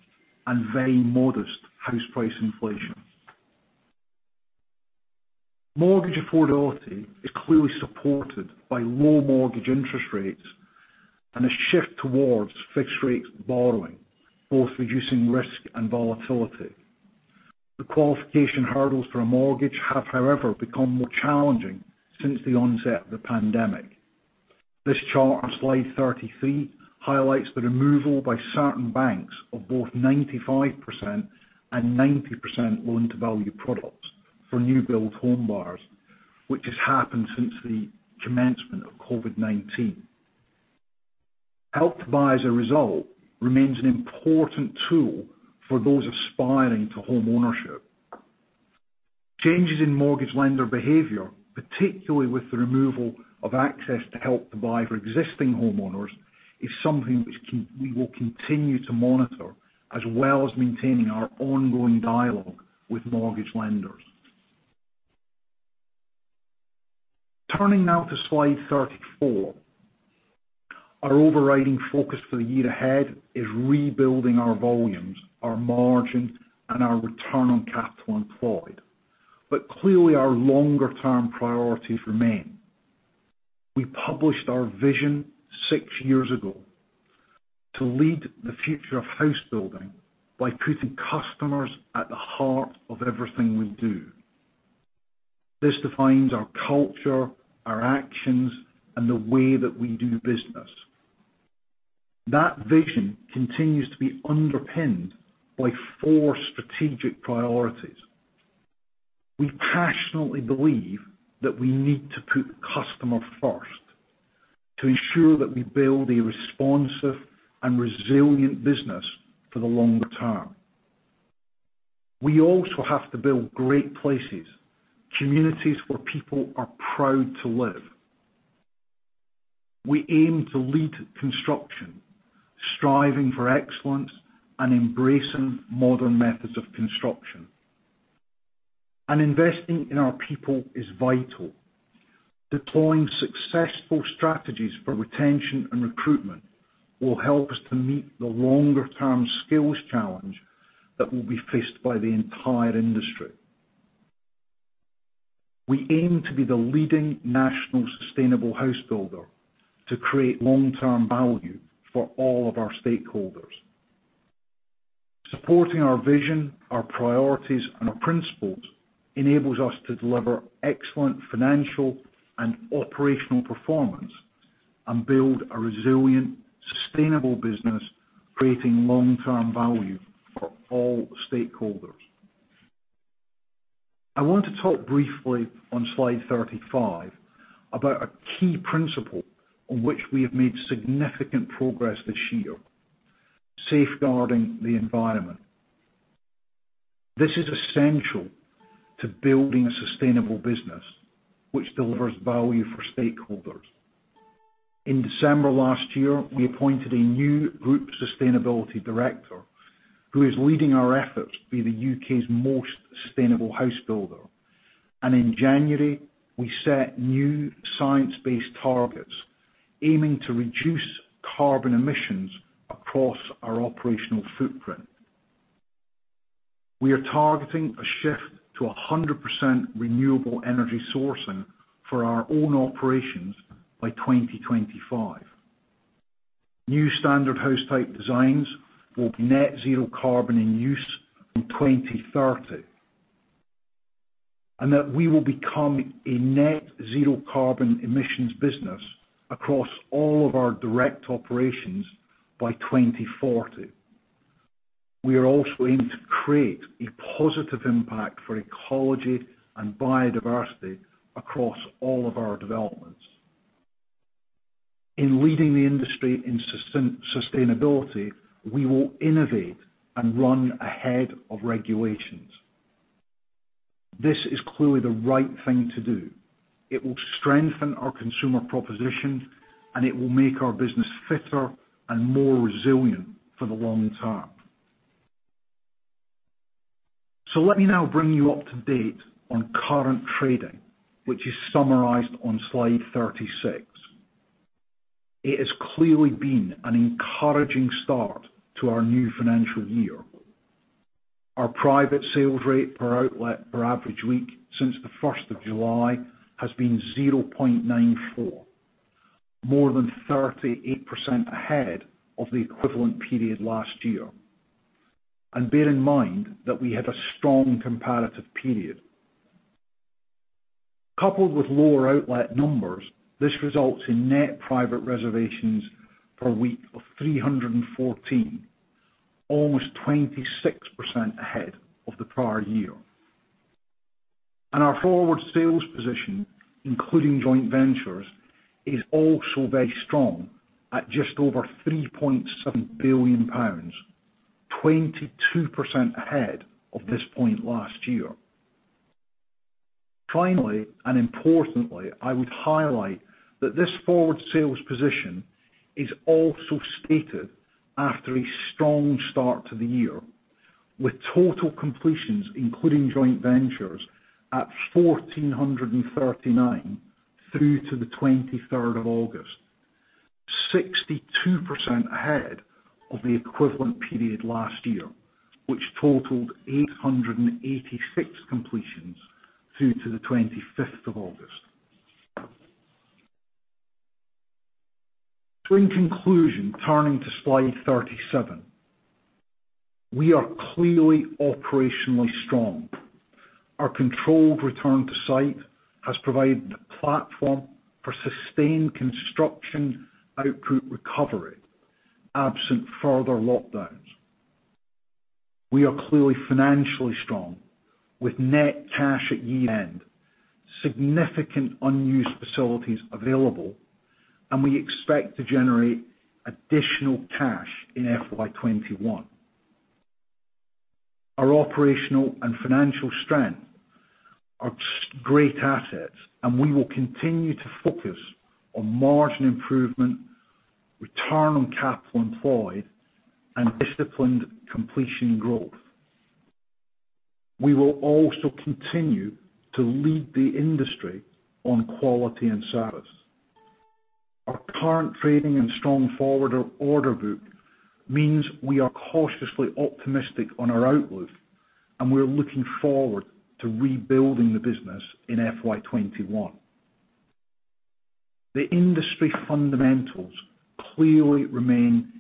and very modest house price inflation. Mortgage affordability is clearly supported by low mortgage interest rates and a shift towards fixed rates borrowing, both reducing risk and volatility. The qualification hurdles for a mortgage have, however, become more challenging since the onset of the pandemic. This chart on slide 33 highlights the removal by certain banks of both 95% and 90% loan-to-value products for new build home buyers, which has happened since the commencement of COVID-19. Help to Buy, as a result, remains an important tool for those aspiring to home ownership. Changes in mortgage lender behavior, particularly with the removal of access to Help to Buy for existing homeowners, is something which we will continue to monitor, as well as maintaining our ongoing dialogue with mortgage lenders. Turning now to slide 34. Our overriding focus for the year ahead is rebuilding our volumes, our margins, and our return on capital employed. Clearly our longer-term priorities remain. We published our vision six years ago to lead the future of house building by putting customers at the heart of everything we do. This defines our culture, our actions, and the way that we do business. That vision continues to be underpinned by four strategic priorities. We passionately believe that we need to put customer first to ensure that we build a responsive and resilient business for the longer term. We also have to build great places, communities where people are proud to live. We aim to lead construction, striving for excellence and embracing modern methods of construction. Investing in our people is vital. Deploying successful strategies for retention and recruitment will help us to meet the longer-term skills challenge that will be faced by the entire industry. We aim to be the leading national sustainable house builder to create long-term value for all of our stakeholders. Supporting our vision, our priorities, and our principles enables us to deliver excellent financial and operational performance and build a resilient, sustainable business, creating long-term value for all stakeholders. I want to talk briefly on slide 35 about a key principle on which we have made significant progress this year, safeguarding the environment. This is essential to building a sustainable business which delivers value for stakeholders. In December last year, we appointed a new group sustainability director who is leading our efforts to be the U.K.'s most sustainable house builder. In January, we set new science-based targets, aiming to reduce carbon emissions across our operational footprint. We are targeting a shift to 100% renewable energy sourcing for our own operations by 2025. New standard house type designs will be net zero carbon in use from 2030, and that we will become a net zero carbon emissions business across all of our direct operations by 2040. We are also aiming to create a positive impact for ecology and biodiversity across all of our developments. In leading the industry in sustainability, we will innovate and run ahead of regulations. This is clearly the right thing to do. It will strengthen our consumer proposition, and it will make our business fitter and more resilient for the long term. Let me now bring you up to date on current trading, which is summarized on slide 36. It has clearly been an encouraging start to our new financial year. Our private sales rate per outlet per average week since the 1st of July has been 0.94, more than 38% ahead of the equivalent period last year. Bear in mind that we had a strong comparative period. Coupled with lower outlet numbers, this results in net private reservations per week of 314, almost 26% ahead of the prior year. Our forward sales position, including joint ventures, is also very strong at just over 3.7 billion pounds, 22% ahead of this point last year. Finally, and importantly, I would highlight that this forward sales position is also stated after a strong start to the year, with total completions, including joint ventures at 1,439 through to the 23rd of August, 62% ahead of the equivalent period last year, which totaled 886 completions through to the 25th of August. In conclusion, turning to slide 37. We are clearly operationally strong. Our controlled return to site has provided a platform for sustained construction output recovery absent further lockdowns. We are clearly financially strong with net cash at year end, significant unused facilities available, and we expect to generate additional cash in FY 2021. Our operational and financial strength are great assets, and we will continue to focus on margin improvement, return on capital employed, and disciplined completion growth. We will also continue to lead the industry on quality and service. Our current trading and strong forward order book means we are cautiously optimistic on our outlook, and we are looking forward to rebuilding the business in FY 2021. The industry fundamentals clearly remain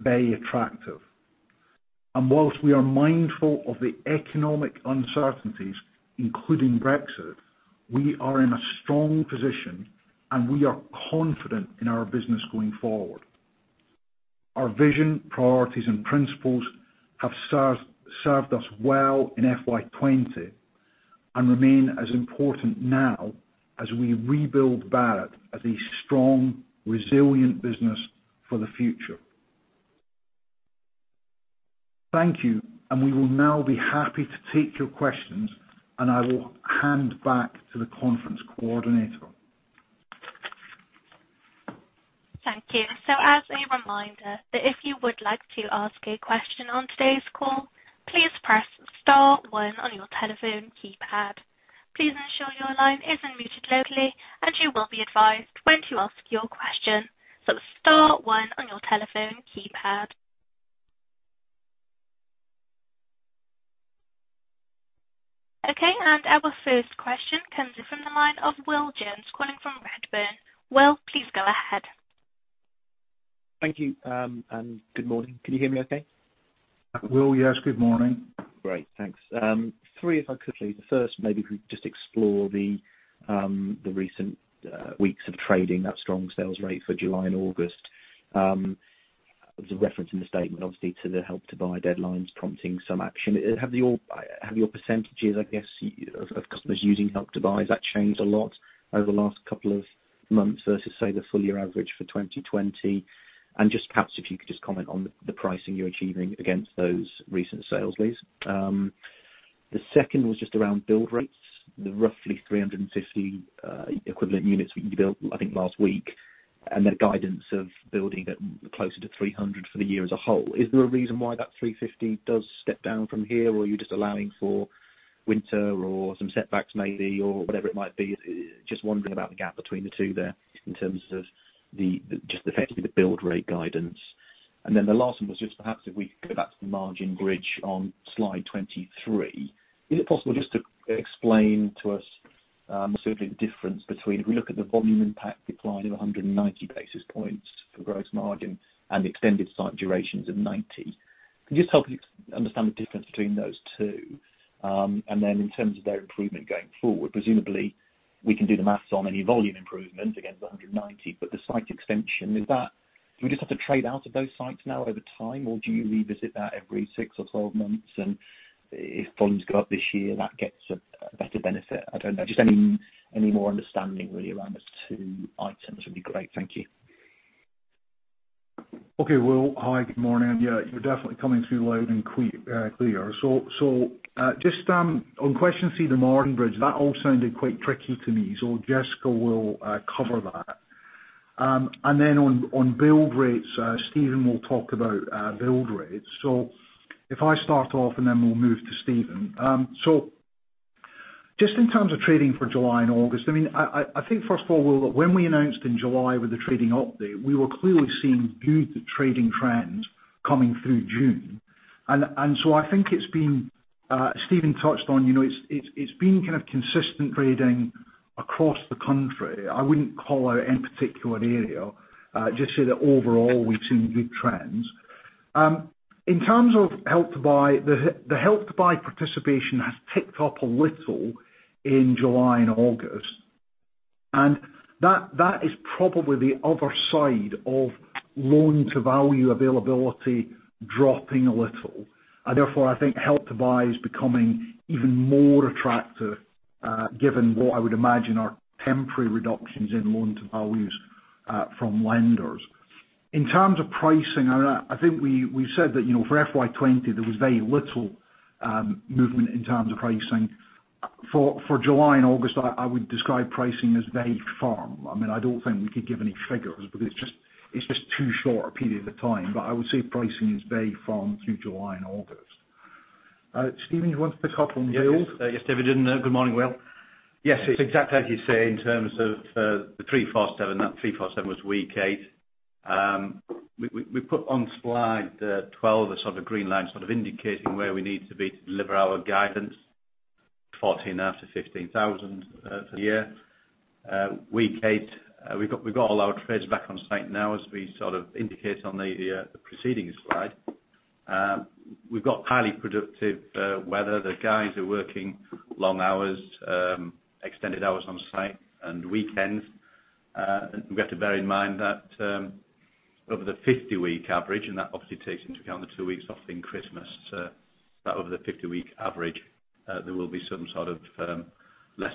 very attractive. Whilst we are mindful of the economic uncertainties, including Brexit, we are in a strong position, and we are confident in our business going forward. Our vision, priorities, and principles have served us well in FY 2020 and remain as important now as we rebuild Barratt as a strong, resilient business for the future. Thank you, and we will now be happy to take your questions, and I will hand back to the conference coordinator. Thank you. As a reminder that if you would like to ask a question on today's call, please press star one on your telephone keypad. Please ensure your line isn't muted locally, and you will be advised when to ask your question. Star one on your telephone keypad. Okay. Our first question comes in from the line of Will Jones, calling from Redburn. Will, please go ahead. Thank you. Good morning. Can you hear me okay? Will, yes. Good morning. Great. Thanks. Three, if I could, please. The first, maybe if we could just explore the recent weeks of trading, that strong sales rate for July and August. There's a reference in the statement, obviously, to the Help to Buy deadlines prompting some action. Have your percentages, I guess, of customers using Help to Buy, has that changed a lot over the last couple of months versus, say, the full-year average for 2020? Just perhaps if you could just comment on the pricing you're achieving against those recent sales, please. The second was just around build rates. The roughly 350 equivalent units you built, I think, last week, and the guidance of building at closer to 300 for the year as a whole. Is there a reason why that 350 does step down from here, or are you just allowing for winter or some setbacks maybe, or whatever it might be? Just wondering about the gap between the two there in terms of just effectively the build rate guidance. Then the last one was just perhaps if we could go back to the margin bridge on slide 23. Is it possible just to explain to us specifically the difference between, if we look at the volume impact decline of 190 basis points for gross margin and extended site durations of 90. Can you just help me understand the difference between those two? In terms of their improvement going forward, presumably we can do the math on any volume improvement against the 190, the site extension, do we just have to trade out of those sites now over time, or do you revisit that every six or 12 months and if volumes go up this year, that gets a better benefit? I don't know. Any more understanding really around those two items would be great. Thank you. Okay, Will. Hi, good morning. Yeah, you're definitely coming through loud and clear. Just on question three, the margin bridge. That all sounded quite tricky to me. Jessica will cover that. Then on build rates, Steven will talk about build rates. If I start off and then we'll move to Steven. Just in terms of trading for July and August, I think first of all, Will, when we announced in July with the trading update, we were clearly seeing good trading trends coming through June. I think it's been, Steven touched on, it's been kind of consistent trading across the country. I wouldn't call out any particular area. Just say that overall, we've seen good trends. In terms of Help to Buy, the Help to Buy participation has ticked up a little in July and August. That is probably the other side of loan-to-value availability dropping a little. Therefore, I think Help to Buy is becoming even more attractive, given what I would imagine are temporary reductions in loan to values from lenders. In terms of pricing, I think we said that for FY 2020, there was very little movement in terms of pricing. For July and August, I would describe pricing as very firm. I don't think we could give any figures because it's just too short a period of time. I would say pricing is very firm through July and August. Steven, do you want to pick up on build? Yes, David. Good morning, Will. It's exactly as you say in terms of the 347. That 347 was week eight. We put on slide 12, a sort of green line sort of indicating where we need to be to deliver our guidance, 14,500-15,000 for the year. Week eight, we've got all our trades back on site now as we indicated on the preceding slide. We've got highly productive weather. The guys are working long hours, extended hours on site and weekends. We have to bear in mind that over the 50-week average, that obviously takes into account the two weeks off in Christmas, over the 50-week average, there will be some sort of lesser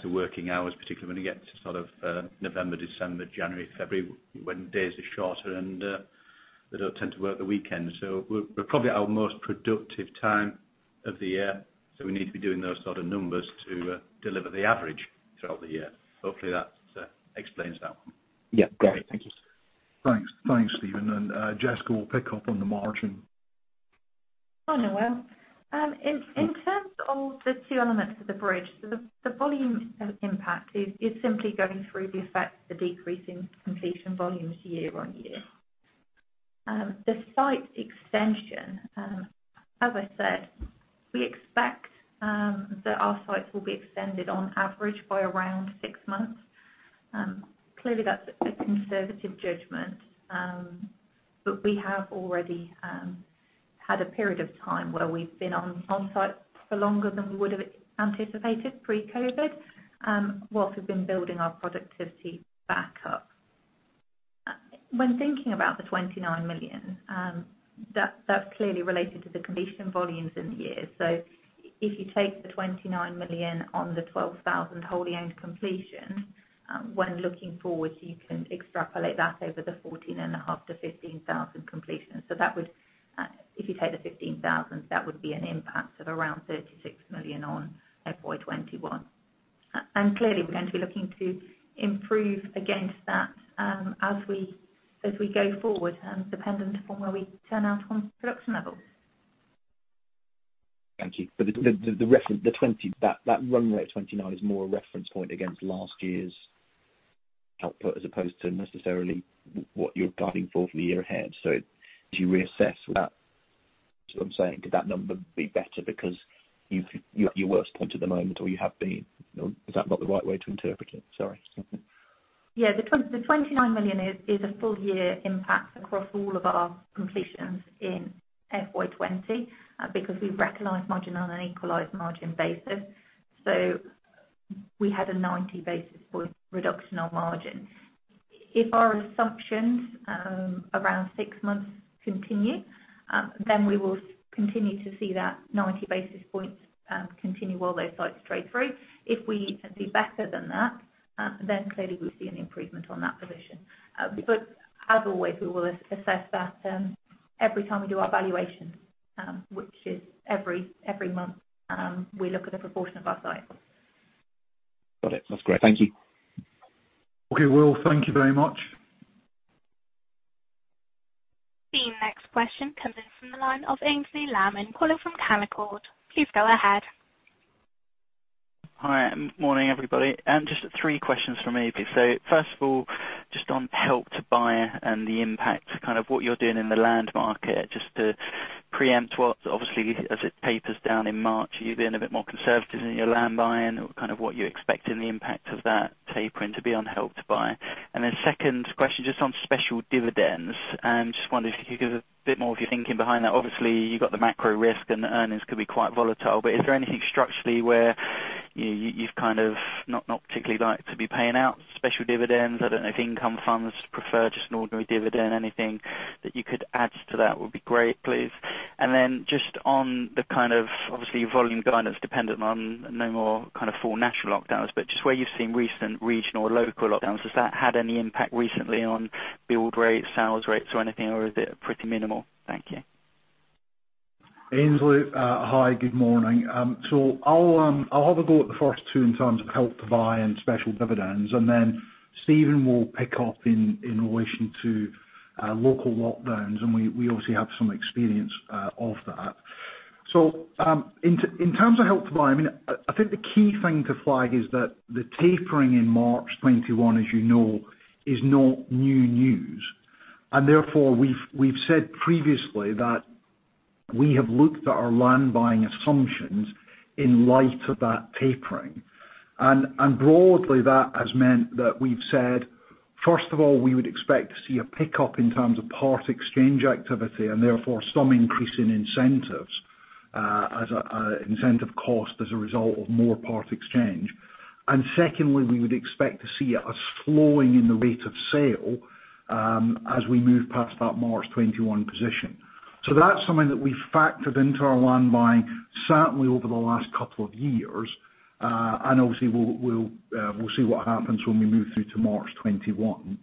working hours, particularly when you get to November, December, January, February, when days are shorter and they don't tend to work the weekends. We're probably at our most productive time of the year, so we need to be doing those sort of numbers to deliver the average throughout the year. Hopefully, that explains that one. Yeah, got it. Thank you. Thanks, Steven. Jessica will pick up on the margin. Hi, Will. In terms of the two elements of the bridge, the volume impact is simply going through the effect of the decrease in completion volumes year on year. The site extension, as I said, we expect that our sites will be extended on average by around six months. Clearly, that's a conservative judgment, but we have already had a period of time where we've been on site for longer than we would have anticipated pre-COVID, whilst we've been building our productivity back up. When thinking about the 29 million, that's clearly related to the completion volumes in the year. If you take the 29 million on the 12,000 wholly owned completion, when looking forward, you can extrapolate that over the 14,500-15,000 completions. If you take the 15,000, that would be an impact of around 36 million on FY 2021. Clearly, we're going to be looking to improve against that as we go forward and dependent upon where we turn out on production levels. Thank you. That run rate of 29 million is more a reference point against last year's output as opposed to necessarily what you're guiding for for the year ahead. As you reassess that, is what I'm saying, could that number be better because you're at your worst point at the moment, or you have been? Is that not the right way to interpret it? Sorry. The 29 million is a full-year impact across all of our completions in FY 2020 because we recognize margin on an equalized margin basis. We had a 90-basis-point reduction on margin. If our assumptions around six months continue, we will continue to see that 90 basis points continue while those sites trade through. If we do better than that, clearly we'll see an improvement on that position. As always, we will assess that every time we do our valuation, which is every month, we look at a proportion of our cycle. Got it. That's great. Thank you. Okay, Will, thank you very much. The next question comes in from the line of Aynsley Lammin calling from Canaccord. Please go ahead. Hi, morning, everybody. Just three questions from me, please. First of all, just on Help to Buy and the impact, kind of what you're doing in the land market just to preempt what, obviously, as it tapers down in March, you being a bit more conservative in your land buying or kind of what you're expecting the impact of that tapering to be on Help to Buy. Second question, just on special dividends. Just wondering if you could give us a bit more of your thinking behind that. Obviously, you've got the macro risk, and the earnings could be quite volatile, but is there anything structurally where you've kind of not particularly like to be paying out special dividends? I don't know if income funds prefer just an ordinary dividend. Anything that you could add to that would be great, please. Just on the kind of, obviously, volume guidance dependent on no more kind of full national lockdowns, but just where you've seen recent regional or local lockdowns, has that had any impact recently on build rates, sales rates or anything, or is it pretty minimal? Thank you. Aynsley, hi, good morning. I'll have a go at the first two in terms of Help to Buy and special dividends, and then Steven will pick up in relation to local lockdowns, and we obviously have some experience of that. In terms of Help to Buy, I think the key thing to flag is that the tapering in March 2021, as you know, is not new news, and therefore we've said previously that we have looked at our land buying assumptions in light of that tapering. Broadly, that has meant that we've said, first of all, we would expect to see a pickup in terms of Part Exchange activity, and therefore some increase in incentives as a incentive cost as a result of more Part Exchange. Secondly, we would expect to see a slowing in the rate of sale as we move past that March 2021 position. That's something that we factored into our land buying certainly over the last couple of years. Obviously, we'll see what happens when we move through to March 2021.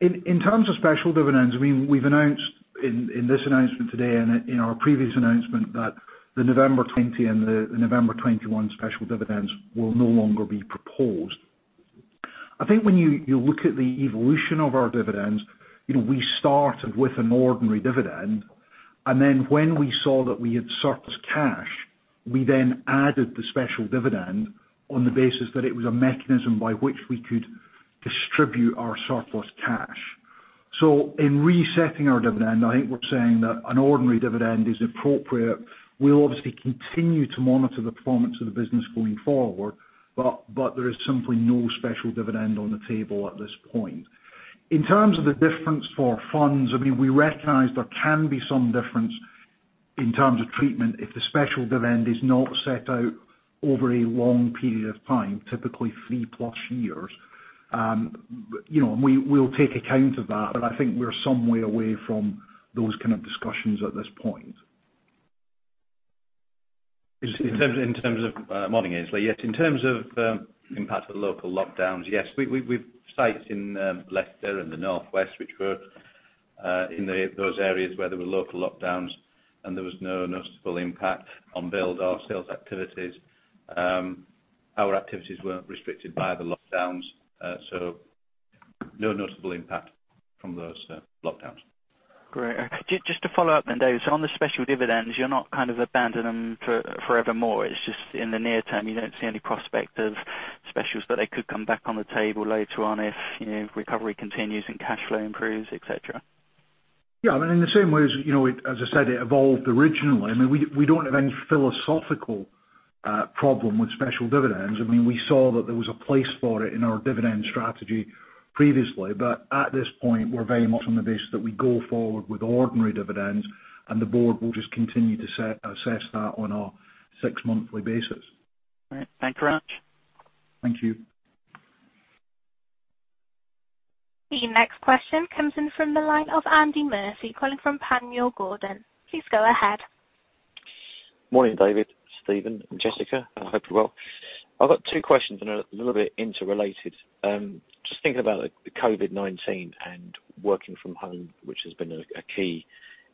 In terms of special dividends, we've announced in this announcement today and in our previous announcement that the November 2020 and the November 2021 special dividends will no longer be proposed. I think when you look at the evolution of our dividends, we started with an ordinary dividend, and then when we saw that we had surplus cash, we then added the special dividend on the basis that it was a mechanism by which we could distribute our surplus cash. In resetting our dividend, I think we're saying that an ordinary dividend is appropriate. We'll obviously continue to monitor the performance of the business going forward, but there is simply no special dividend on the table at this point. In terms of the difference for funds, we recognize there can be some difference in terms of treatment if the special dividend is not set out over a long period of time, typically three-plus years. We'll take account of that, but I think we're some way away from those kind of discussions at this point. Steven? Morning, Aynsley. Yes, in terms of impact of the local lockdowns, yes. We've sites in Leicester and the North West, which were in those areas where there were local lockdowns, and there was no noticeable impact on build or sales activities. Our activities weren't restricted by the lockdowns. No noticeable impact from those lockdowns. Great. Just to follow up, David. On the special dividends, you're not kind of abandoning them forevermore, it's just in the near term, you don't see any prospect of specials, but they could come back on the table later on if recovery continues and cash flow improves, et cetera? Yeah, in the same way as I said it evolved originally. We don't have any philosophical problem with special dividends. We saw that there was a place for it in our dividend strategy previously. At this point, we're very much on the basis that we go forward with ordinary dividends, and the Board will just continue to assess that on a six-monthly basis. All right. Thanks very much. Thank you. The next question comes in from the line of Andy Murphy calling from Panmure Gordon. Please go ahead. Morning, David, Steven, and Jessica. I hope you're well. I've got two questions and they're a little bit interrelated. Just thinking about the COVID-19 and working from home, which has been a key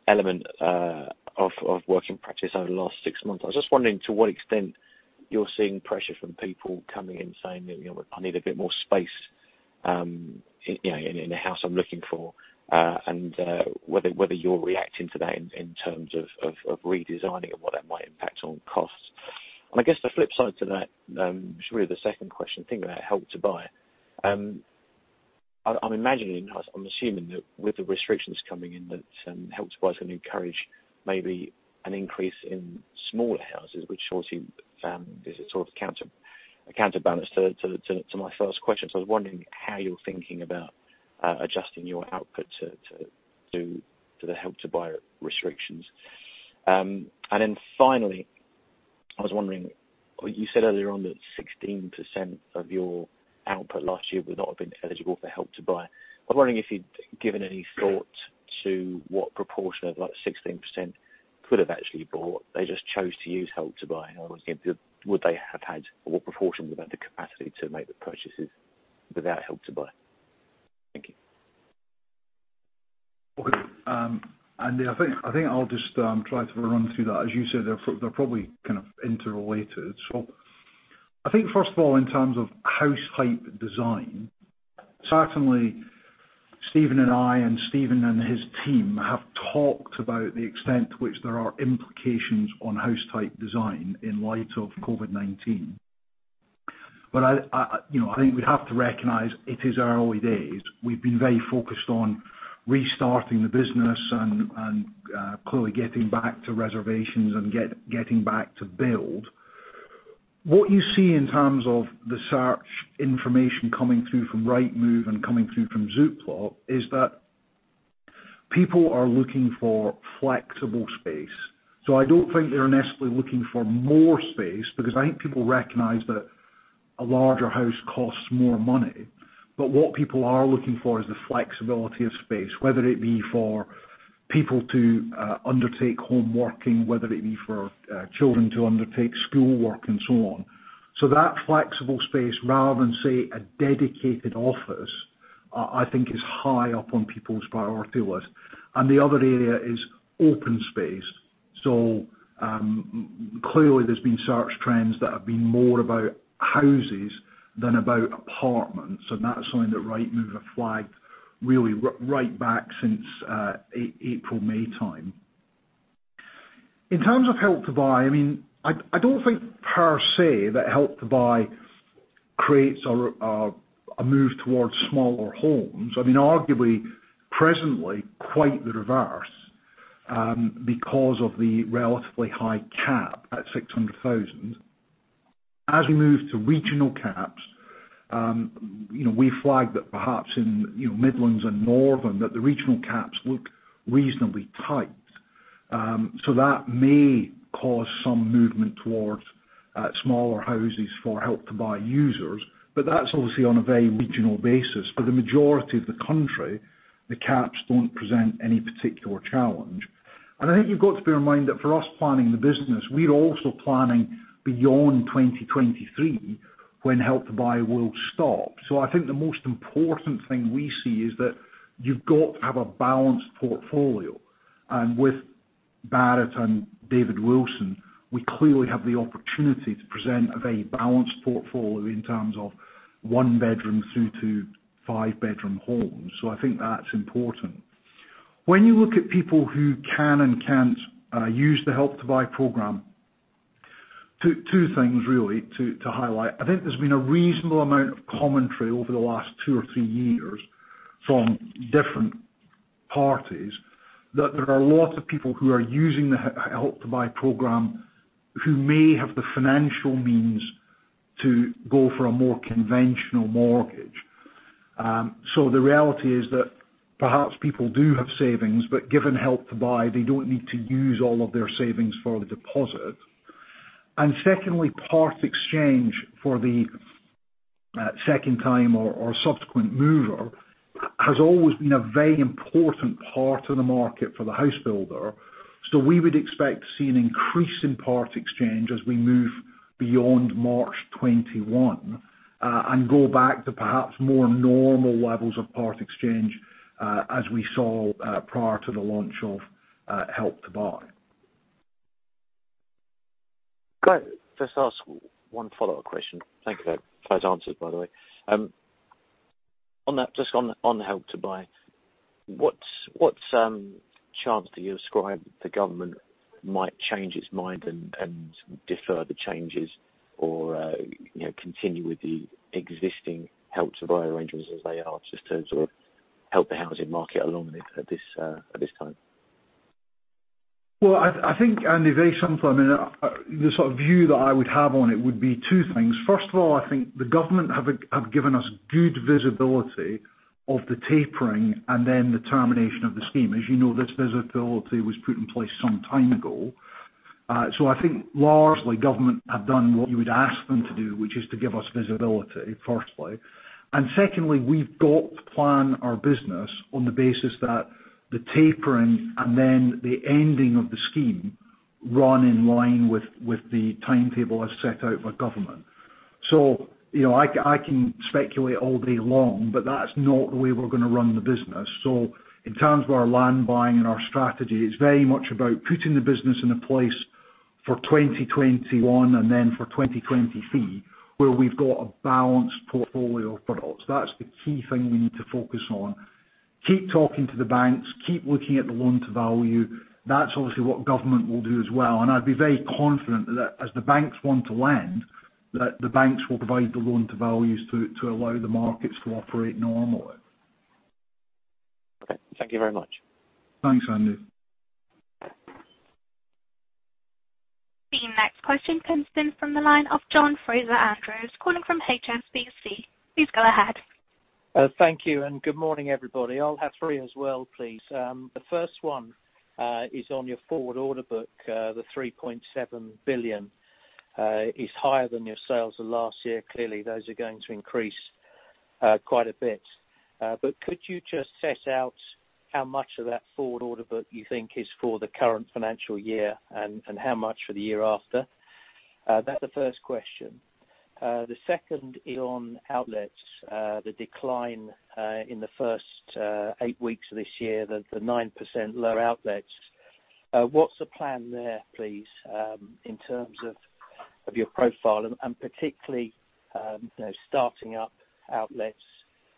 element of working practice over the last six months. I was just wondering to what extent you're seeing pressure from people coming in saying that, "I need a bit more space in a house I'm looking for," and whether you're reacting to that in terms of redesigning and what that might impact on costs? I guess the flip side to that, which is really the second question, thinking about Help to Buy. I'm imagining, I'm assuming that with the restrictions coming in, that Help to Buy is going to encourage maybe an increase in smaller houses, which surely is a sort of counterbalance to my first question. I was wondering how you're thinking about adjusting your output to the Help to Buy restrictions. Finally, I was wondering, you said earlier on that 16% of your output last year would not have been eligible for Help to Buy. I'm wondering if you'd given any thought to what proportion of that 16% could have actually bought, they just chose to use Help to Buy? Would they have had, or what proportion would have had the capacity to make the purchases without Help to Buy? Thank you. Okay. Andy, I think I'll just try to run through that. As you said, they're probably kind of interrelated. I think first of all, in terms of house type design, certainly Steven and I, and Steven and his team have talked about the extent to which there are implications on house type design in light of COVID-19. I think we have to recognize it is early days. We've been very focused on restarting the business and clearly getting back to reservations and getting back to build. What you see in terms of the search information coming through from Rightmove and coming through from Zoopla is that people are looking for flexible space. I don't think they're necessarily looking for more space, because I think people recognize that a larger house costs more money. What people are looking for is the flexibility of space, whether it be for people to undertake home working, whether it be for children to undertake schoolwork and so on. That flexible space rather than, say, a dedicated office, I think is high up on people's priority list. The other area is open space. Clearly there's been search trends that have been more about houses than about apartments. That's something that Rightmove have flagged really right back since April, May time. In terms of Help to Buy, I don't think per se that Help to Buy creates a move towards smaller homes. Arguably, presently, quite the reverse, because of the relatively high cap at 600,000. As we move to regional caps, we flagged that perhaps in Midlands and Northern, that the regional caps look reasonably tight. That may cause some movement towards smaller houses for Help to Buy users, but that's obviously on a very regional basis. For the majority of the country, the caps don't present any particular challenge. I think you've got to bear in mind that for us planning the business, we are also planning beyond 2023 when Help to Buy will stop. I think the most important thing we see is that you've got to have a balanced portfolio. With Barratt and David Wilson, we clearly have the opportunity to present a very balanced portfolio in terms of one-bedroom through to five-bedroom homes. I think that's important. When you look at people who can and can't use the Help to Buy program, two things really to highlight. I think there's been a reasonable amount of commentary over the last two or three years from different parties, that there are a lot of people who are using the Help to Buy program who may have the financial means to go for a more conventional mortgage. The reality is that perhaps people do have savings, but given Help to Buy, they don't need to use all of their savings for the deposit. Secondly, Part Exchange for the second-time or subsequent mover, has always been a very important part of the market for the house builder. We would expect to see an increase in Part Exchange as we move beyond March 2021, and go back to perhaps more normal levels of Part Exchange, as we saw prior to the launch of Help to Buy. Great. Just ask one follow-up question. Thank you for those answers, by the way. Just on Help to Buy, what chance do you ascribe the government might change its mind and defer the changes or continue with the existing Help to Buy arrangements as they are, just to sort of help the housing market along at this time? Well, I think, Andy, very simply, the sort of view that I would have on it would be two things. First of all, I think the government have given us good visibility of the tapering and then the termination of the scheme. As you know, this visibility was put in place some time ago. I think largely government have done what you would ask them to do, which is to give us visibility, firstly. Secondly, we've got to plan our business on the basis that the tapering and then the ending of the scheme run in line with the timetable as set out by government. I can speculate all day long, but that's not the way we're going to run the business. In terms of our land buying and our strategy, it's very much about putting the business in a place for 2021 and then for 2023, where we've got a balanced portfolio of products. That's the key thing we need to focus on. Keep talking to the banks, keep looking at the loan to value. That's obviously what government will do as well. I'd be very confident that as the banks want to lend, that the banks will provide the loan to values to allow the markets to operate normally. Okay. Thank you very much. Thanks, Andy. The next question comes in from the line of John Fraser-Andrews, calling from HSBC. Please go ahead. Thank you. Good morning, everybody. I'll have three as well, please. The first one is on your forward order book. The 3.7 billion is higher than your sales of last year. Clearly, those are going to increase quite a bit. Could you just set out how much of that forward order book you think is for the current financial year and how much for the year after? That's the first question. The second is on outlets. The decline in the first eight weeks of this year, the 9% lower outlets. What's the plan there, please, in terms of your profile and particularly starting up outlets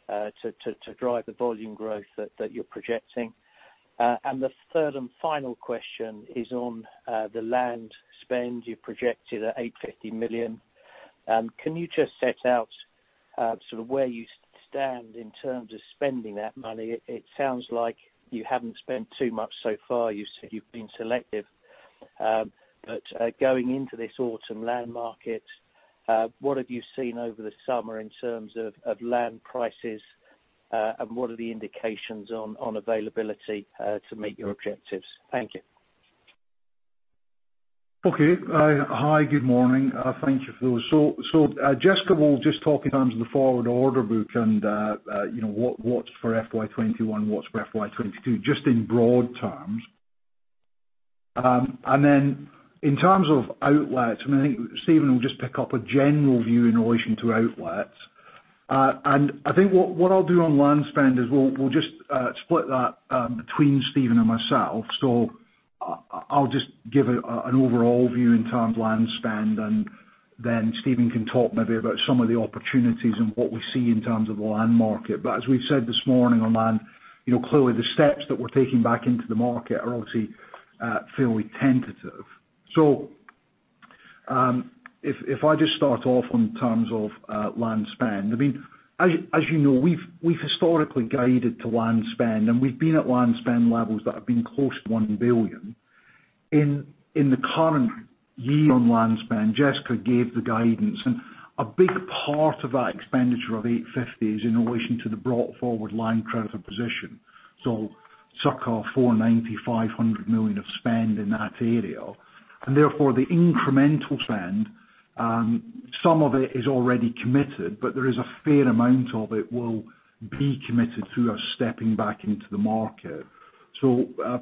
to drive the volume growth that you're projecting? The third and final question is on the land spend you projected at 850 million. Can you just set out where you stand in terms of spending that money? It sounds like you haven't spent too much so far. You said you've been selective. Going into this autumn land market, what have you seen over the summer in terms of land prices, and what are the indications on availability to meet your objectives? Thank you. Okay. Hi, good morning. Thank you for those. Jessica will just talk in terms of the forward order book and what's for FY 2021, what's for FY 2022, just in broad terms. Then in terms of outlets, and I think Steven will just pick up a general view in relation to outlets. I think what I'll do on land spend is we'll just split that between Steven and myself. I'll just give an overall view in terms of land spend, and then Steven can talk maybe about some of the opportunities and what we see in terms of the land market. As we've said this morning on land, clearly the steps that we're taking back into the market are obviously fairly tentative. If I just start off in terms of land spend. As you know, we've historically guided to land spend, and we've been at land spend levels that have been close to 1 billion. In the current year on land spend, Jessica gave the guidance, and a big part of that expenditure of 850 million is in relation to the brought forward land credit position. Circa 490 million-500 million of spend in that area. The incremental spend, some of it is already committed, but there is a fair amount of it will be committed through us stepping back into the market.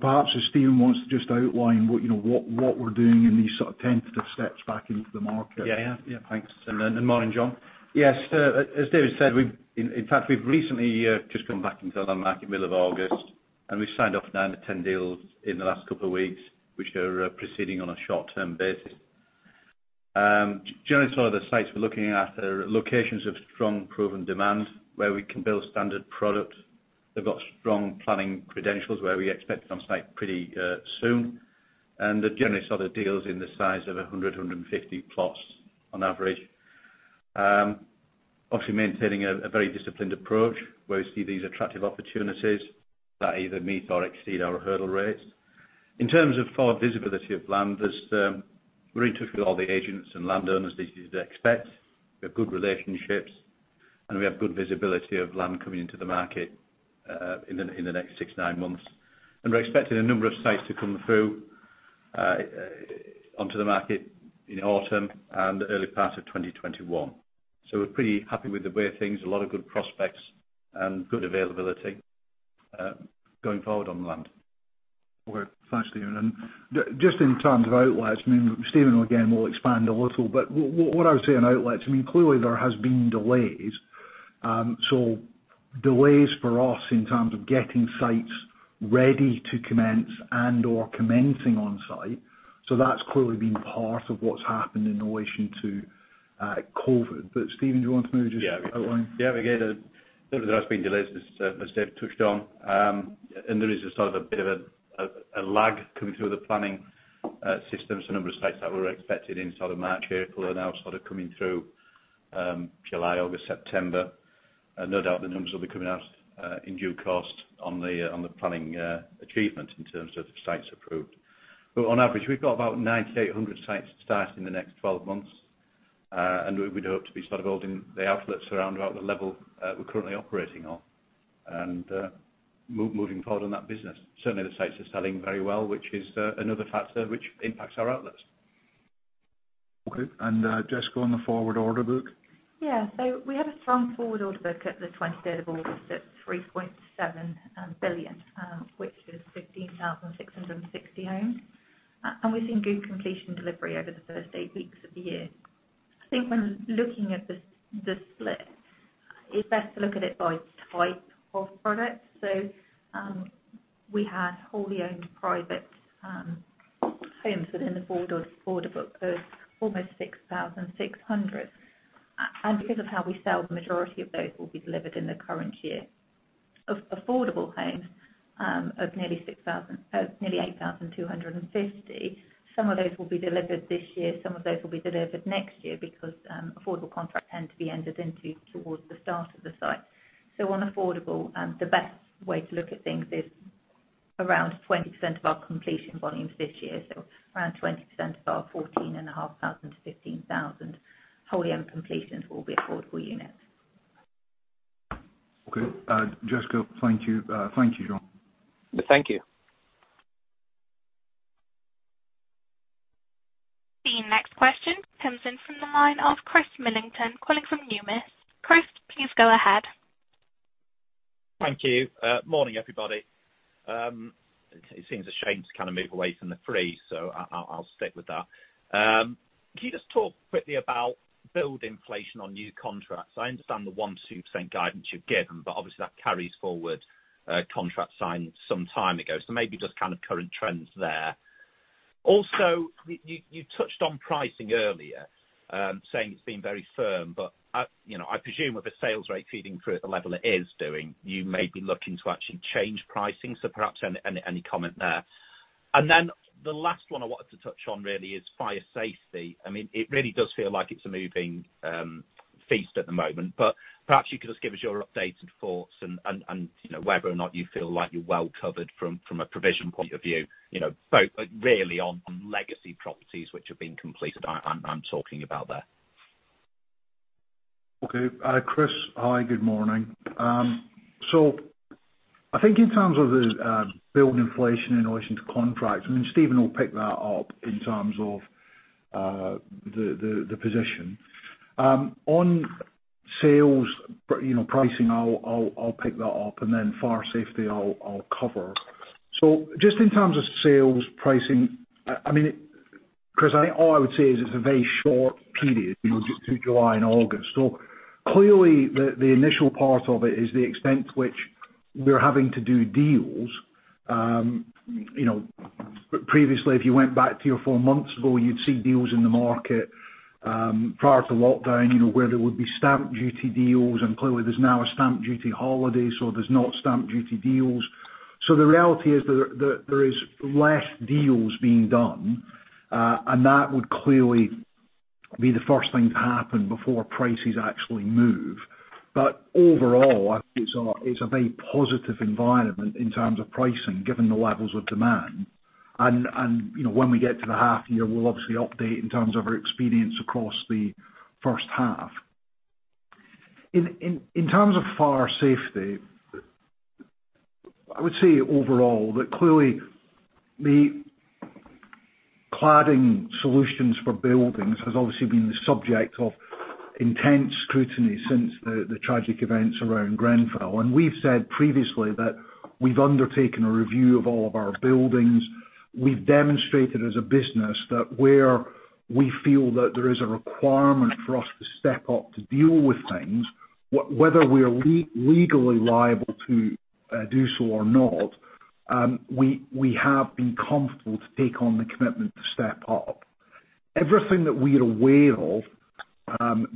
Perhaps if Steven wants to just outline what we're doing in these tentative steps back into the market. Yeah. Thanks. Morning, John. Yes. As David said, in fact, we've recently just gone back into the land market, middle of August, and we've signed off 9-10 deals in the last couple of weeks, which are proceeding on a short-term basis. Generally, some of the sites we're looking at are locations of strong proven demand where we can build standard product. They've got strong planning credentials where we expect on site pretty soon, and they're generally deals in the size of 100, 150 plots on average. Obviously maintaining a very disciplined approach where we see these attractive opportunities that either meet or exceed our hurdle rates. In terms of forward visibility of land, we're in touch with all the agents and landowners that you'd expect. We have good relationships, and we have good visibility of land coming into the market in the next six, nine months. We're expecting a number of sites to come through onto the market in autumn and the early part of 2021. We're pretty happy with the way of things. A lot of good prospects and good availability going forward on land. Thanks, Steven. Just in terms of outlets, Steven again will expand a little, but what I would say on outlets, clearly there has been delays. Delays for us in terms of getting sites ready to commence and/or commencing on site. That's clearly been part of what's happened in relation to COVID. Steven, do you want to maybe just outline? Yeah. Again, there has been delays, as Dave touched on. There is a bit of a lag coming through the planning system. A number of sites that were expected in March, April are now coming through July, August, September. No doubt the numbers will be coming out in due course on the planning achievement in terms of sites approved. On average, we've got about 9,800 sites to start in the next 12 months. We'd hope to be holding the outlets around about the level we're currently operating on and moving forward on that business. Certainly, the sites are selling very well, which is another factor which impacts our outlets. Okay. Jessica, on the forward order book. We had a strong forward order book at the 23rd of August at 3.7 billion, which is 15,660 homes. We've seen good completion delivery over the first eight weeks of the year. I think when looking at the split, it's best to look at it by type of product. We had wholly owned private homes within the forward order book of almost 6,600. Because of how we sell, the majority of those will be delivered in the current year. Of affordable homes, of nearly 8,250, some of those will be delivered this year, some of those will be delivered next year because affordable contracts tend to be entered into towards the start of the site. On affordable, the best way to look at things is around 20% of our completion volumes this year. Around 20% of our 14,500-15,000 wholly owned completions will be affordable units. Okay. Jessica, thank you. Thank you, John. Thank you. The next question comes in from the line of Chris Millington calling from Numis. Chris, please go ahead. Thank you. Morning, everybody. It seems a shame to move away from the three, so I will stick with that. Can you just talk quickly about build inflation on new contracts? I understand the 1%, 2% guidance you have given, but obviously, that carries forward a contract signed some time ago. Maybe just current trends there. Also, you touched on pricing earlier, saying it has been very firm. I presume with the sales rate feeding through at the level it is doing, you may be looking to actually change pricing. Perhaps any comment there. The last one I wanted to touch on really is fire safety. It really does feel like it is a moving feast at the moment. Perhaps you could just give us your updates and thoughts and whether or not you feel like you're well covered from a provision point of view, both really on legacy properties which have been completed, I'm talking about there. Okay. Chris, hi, good morning. I think in terms of the build inflation in relation to contracts, Steven will pick that up in terms of the position. On sales pricing, I'll pick that up, fire safety, I'll cover. Just in terms of sales pricing, Chris, I think all I would say is it's a very short period. June through July and August. Clearly the initial part of it is the extent to which we're having to do deals. Previously, if you went back three or four months ago, you'd see deals in the market, prior to lockdown, where there would be stamp duty deals, clearly there's now a stamp duty holiday, there's not stamp duty deals. That would clearly be the first thing to happen before prices actually move. Overall, I think it's a very positive environment in terms of pricing, given the levels of demand. When we get to the half year, we'll obviously update in terms of our experience across the first half. In terms of fire safety, I would say overall that clearly the cladding solutions for buildings has obviously been the subject of intense scrutiny since the tragic events around Grenfell. We've said previously that we've undertaken a review of all of our buildings. We've demonstrated as a business that where we feel that there is a requirement for us to step up to deal with things, whether we are legally liable to do so or not, we have been comfortable to take on the commitment to step up. Everything that we are aware of,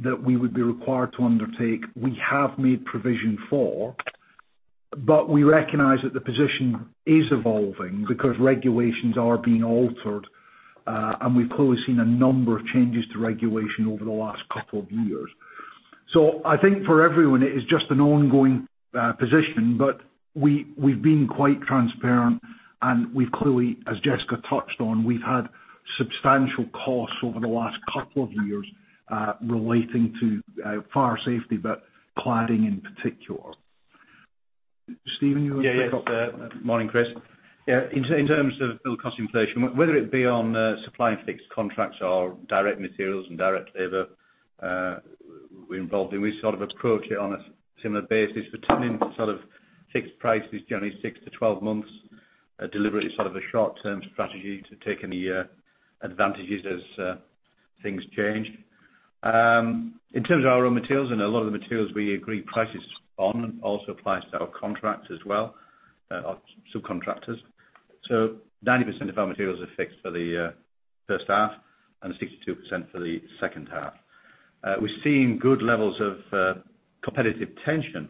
that we would be required to undertake, we have made provision for, but we recognize that the position is evolving because regulations are being altered. We've clearly seen a number of changes to regulation over the last couple of years. I think for everyone, it is just an ongoing position. We've been quite transparent, and we've clearly, as Jessica touched on, we've had substantial costs over the last couple of years, relating to fire safety, but cladding in particular. Steven, you want to pick up there? Yes. Morning, Chris. Yeah. In terms of build cost inflation, whether it be on supply and fix contracts or direct materials and direct labor, we approach it on a similar basis. We're taking fixed prices generally 6-12 months, deliberately a short-term strategy to take any advantages as things change. In terms of our own materials, a lot of the materials we agree prices on also applies to our contracts as well, our subcontractors. 90% of our materials are fixed for the first half and 62% for the second half. We're seeing good levels of competitive tension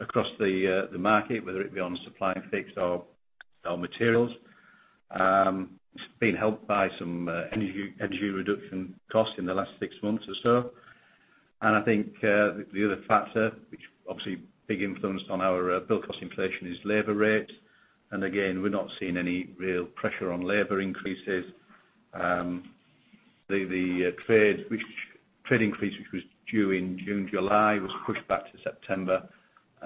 across the market, whether it be on supply and fix or materials. It's been helped by some energy reduction costs in the last six months or so. I think the other factor, which obviously big influence on our build cost inflation, is labor rates. Again, we're not seeing any real pressure on labor increases. The trades increase, which was due in June, July, was pushed back to September.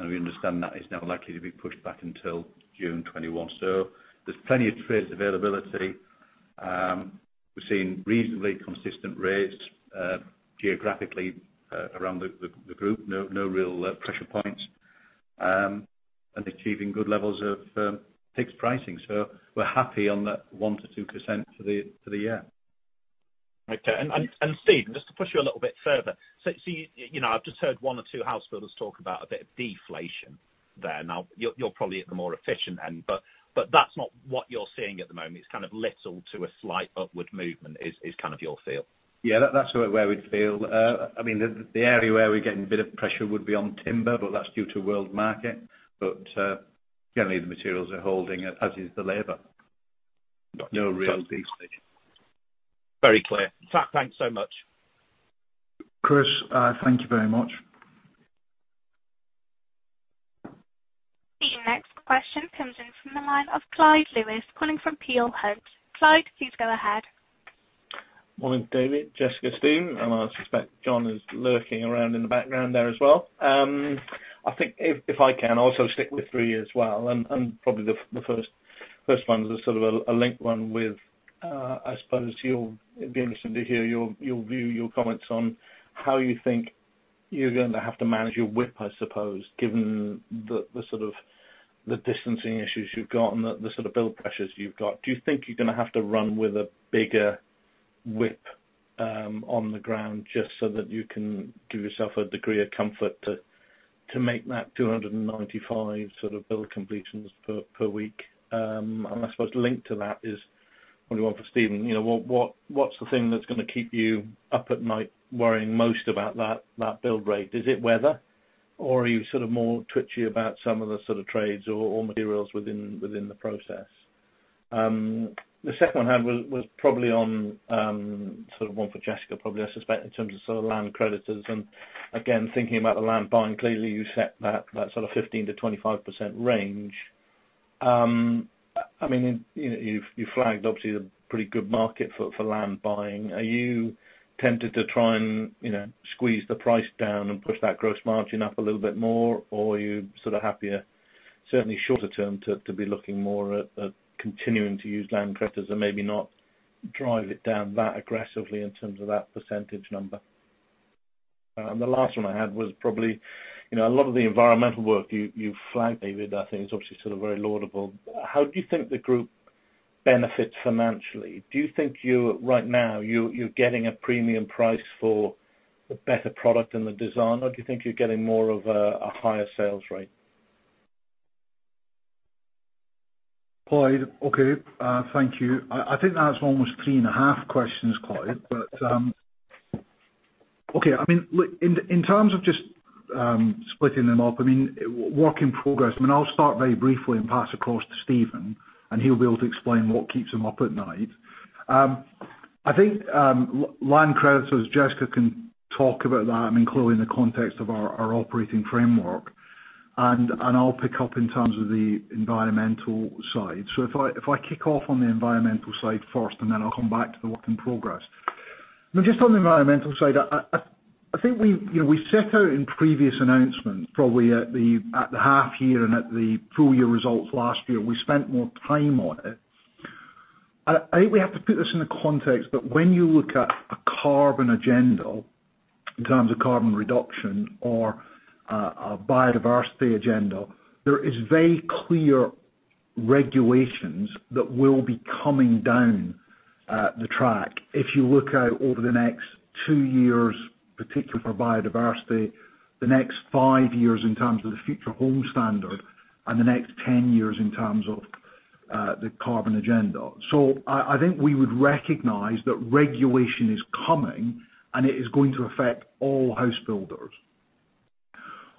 We understand that is now likely to be pushed back until June 2021. There's plenty of trades availability. We're seeing reasonably consistent rates geographically around the group. No real pressure points, and achieving good levels of fixed pricing. We're happy on that 1%-2% for the year. Okay. Steven, just to push you a little bit further. I've just heard one or two house builders talk about a bit of deflation. You're probably at the more efficient end, but that's not what you're seeing at the moment. It's kind of little to a slight upward movement, is kind of your feel. Yeah, that's where we'd feel. The area where we're getting a bit of pressure would be on timber, but that's due to world market. Generally, the materials are holding, as is the labor. No real big thing. Very clear. In fact, thanks so much. Chris, thank you very much. The next question comes in from the line of Clyde Lewis, calling from Peel Hunt. Clyde, please go ahead. Morning, David, Jessica, Steven, and I suspect John is lurking around in the background there as well. I think if I can also stick with three as well. Probably the first one's a sort of a linked one with, I suppose, it'd be interesting to hear your view, your comments on how you think you're going to have to manage your WIP, I suppose, given the distancing issues you've got and the sort of build pressures you've got. Do you think you're going to have to run with a bigger WIP on the ground just so that you can give yourself a degree of comfort to make that 295 sort of build completions per week? I suppose linked to that is, probably one for Steven. What's the thing that's going to keep you up at night worrying most about that build rate? Is it weather, or are you sort of more twitchy about some of the sort of trades or materials within the process? The second one was probably one for Jessica, probably, I suspect, in terms of sort of land creditors and, again, thinking about the land buying, clearly you set that sort of 15%-25% range. You've flagged, obviously, the pretty good market for land buying. Are you tempted to try and squeeze the price down and push that gross margin up a little bit more, or are you sort of happier, certainly shorter term, to be looking more at continuing to use land creditors and maybe not drive it down that aggressively in terms of that percentage number? The last one I had was probably, a lot of the environmental work you flagged, David, I think is obviously very laudable. How do you think the group benefits financially? Do you think right now, you're getting a premium price for the better product and the design, or do you think you're getting more of a higher sales rate? Clyde, okay. Thank you. I think that's almost three and a half questions, Clyde. Okay. In terms of just splitting them up, work in progress. I'll start very briefly and pass across to Steven, and he'll be able to explain what keeps him up at night. I think land creditors, Jessica can talk about that, including the context of our operating framework, and I'll pick up in terms of the environmental side. If I kick off on the environmental side first, and then I'll come back to the work in progress. Just on the environmental side, I think we set out in previous announcements, probably at the half year and at the full-year results last year, we spent more time on it. I think we have to put this into context, but when you look at a carbon agenda in terms of carbon reduction or a biodiversity agenda, there is very clear regulations that will be coming down the track. If you look out over the next two years, particularly for biodiversity, the next five years in terms of the Future Homes Standard, and the next 10 years in terms of the carbon agenda. I think we would recognize that regulation is coming, and it is going to affect all house builders.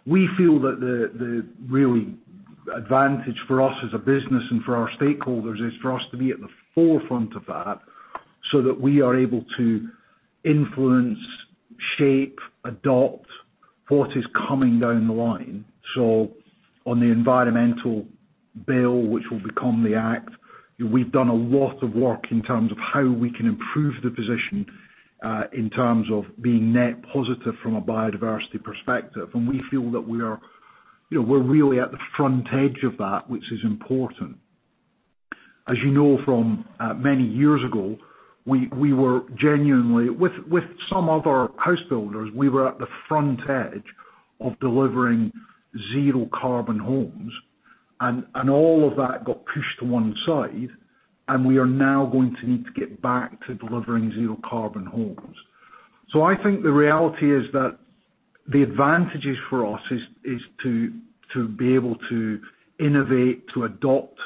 We feel that the advantage for us as a business and for our stakeholders is for us to be at the forefront of that so that we are able to influence, shape, adopt what is coming down the line. On the Environment Bill, which will become the act, we've done a lot of work in terms of how we can improve the position in terms of being net positive from a biodiversity perspective. We feel that we're really at the front edge of that, which is important. As you know from many years ago, we were genuinely, with some other house builders, we were at the front edge of delivering zero carbon homes, all of that got pushed to one side, we are now going to need to get back to delivering zero carbon homes. I think the reality is that the advantages for us is to be able to innovate, to adopt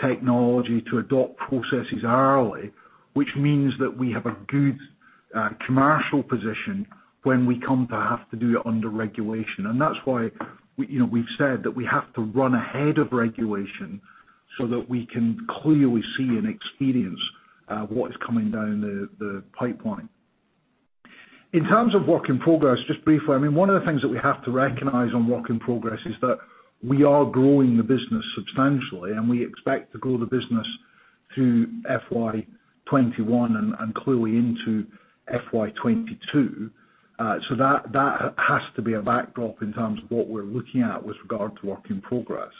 technology, to adopt processes early, which means that we have a good commercial position when we come to have to do it under regulation. That's why we've said that we have to run ahead of regulation so that we can clearly see and experience what is coming down the pipeline. In terms of work in progress, just briefly, one of the things that we have to recognize on work in progress is that we are growing the business substantially, and we expect to grow the business through FY 2021 and clearly into FY 2022. That has to be a backdrop in terms of what we're looking at with regard to work in progress.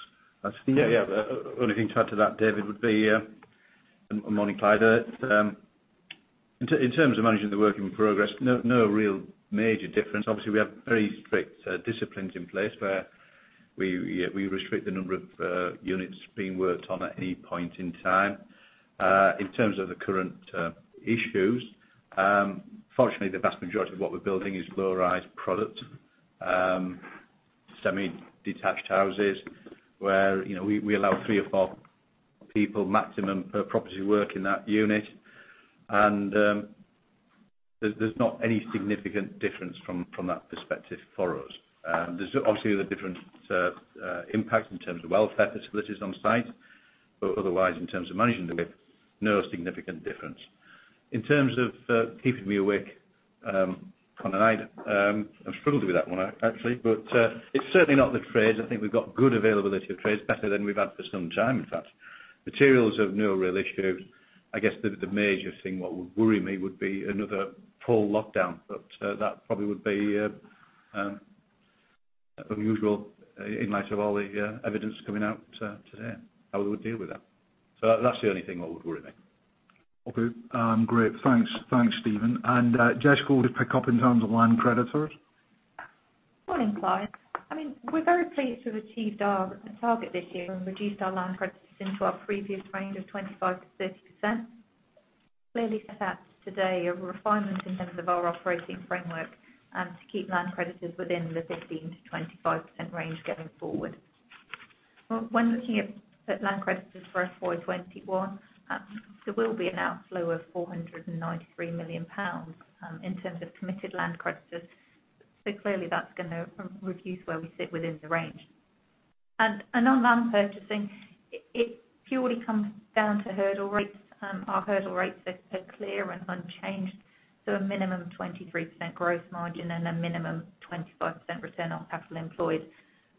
Steven? Yeah. The only thing to add to that, David, would be—Morning, Clyde. In terms of managing the work in progress, no real major difference. We have very strict disciplines in place where we restrict the number of units being worked on at any point in time. In terms of the current issues, fortunately, the vast majority of what we're building is low-rise product, semi-detached houses, where we allow three or four people maximum per property work in that unit. There's not any significant difference from that perspective for us. There's obviously the different impact in terms of welfare facilities on site, otherwise, in terms of managing the WIP, no significant difference. In terms of keeping me awake on the night, I've struggled with that one actually, it's certainly not the trades. I think we've got good availability of trades, better than we've had for some time, in fact. Materials have no real issues. I guess the major thing what would worry me would be another full lockdown, but that probably would be unusual in light of all the evidence coming out today, how we would deal with that. That's the only thing what would worry me. Okay, great. Thanks, Steven. Jessica will just pick up in terms of land credit for us. Morning, Clyde. We are very pleased to have achieved our target this year and reduced our land credits into our previous range of 25%-30%. Clearly set out today a refinement in terms of our operating framework and to keep land credits within the 15%-25% range going forward. When looking at land credits for FY 2021, there will be an outflow of 493 million pounds in terms of committed land credits. Clearly that is going to reduce where we sit within the range. On land purchasing, it purely comes down to hurdle rates. Our hurdle rates are clear and unchanged, so a minimum of 23% gross margin and a minimum 25% return on capital employed,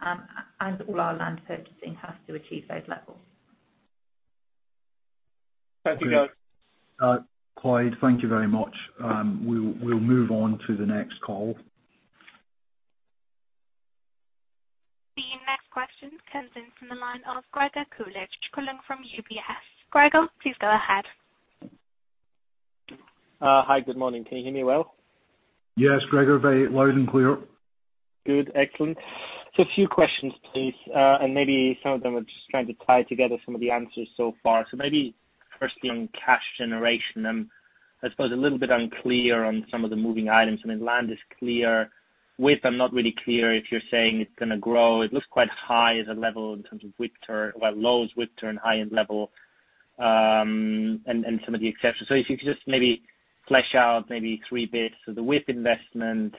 and all our land purchasing has to achieve those levels. Thank you. Clyde, thank you very much. We'll move on to the next call. The next question comes in from the line of Gregor Kuglitsch, calling from UBS. Gregor, please go ahead. Hi, good morning. Can you hear me well? Yes, Gregor, very loud and clear. Good. Excellent. A few questions, please, and maybe some of them are just trying to tie together some of the answers so far. Maybe firstly on cash generation, I suppose, a little bit unclear on some of the moving items. Land is clear. WIP, I'm not really clear if you're saying it's going to grow. It looks quite high as a level in terms of WIP turn, well, low as WIP turn, high-end level, and some of the exceptions. If you could just maybe flesh out maybe three bits. The WIP investment,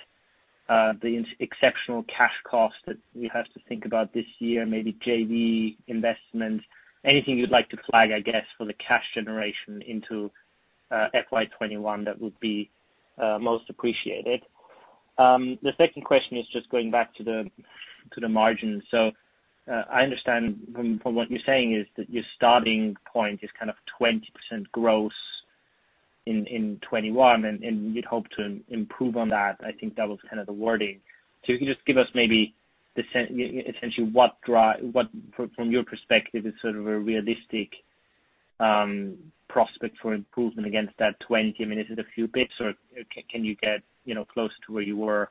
the exceptional cash cost that we have to think about this year, maybe JV investments, anything you'd like to flag, I guess, for the cash generation into FY 2021, that would be most appreciated. The second question is just going back to the margins. I understand from what you're saying is that your starting point is 20% gross in 2021, and you'd hope to improve on that. I think that was the wording. If you could just give us maybe essentially what, from your perspective, is a realistic prospect for improvement against that 20%? Is it a few bits or can you get close to where you were,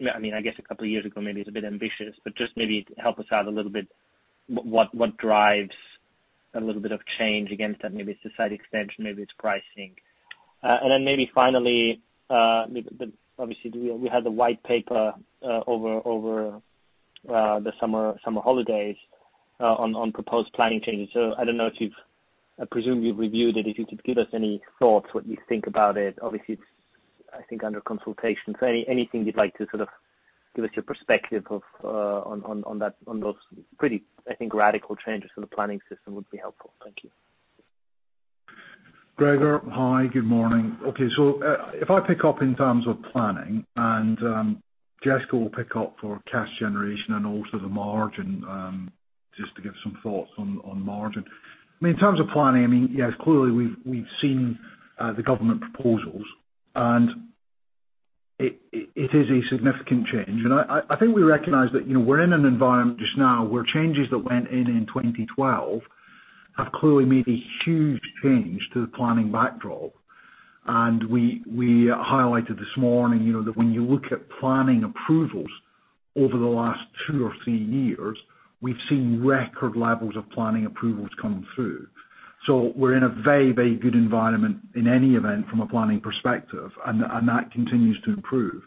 I guess a couple of years ago, maybe it's a bit ambitious. Just maybe help us out a little bit, what drives a little bit of change against that? Maybe it's the site extension, maybe it's pricing. Then maybe finally, obviously we had the white paper over the summer holidays on proposed planning changes. I presume you've reviewed it. If you could give us any thoughts, what you think about it. Obviously, it's, I think, under consultation. Anything you'd like to give us your perspective on those pretty, I think, radical changes to the planning system would be helpful. Thank you. Gregor, hi. Good morning. If I pick up in terms of planning, and Jessica will pick up for cash generation and also the margin, just to give some thoughts on margin. In terms of planning, yes, clearly we've seen the government proposals, and it is a significant change. I think we recognize that we're in an environment just now where changes that went in in 2012 have clearly made a huge change to the planning backdrop. We highlighted this morning, that when you look at planning approvals over the last two or three years, we've seen record levels of planning approvals coming through. We're in a very, very good environment in any event from a planning perspective, and that continues to improve.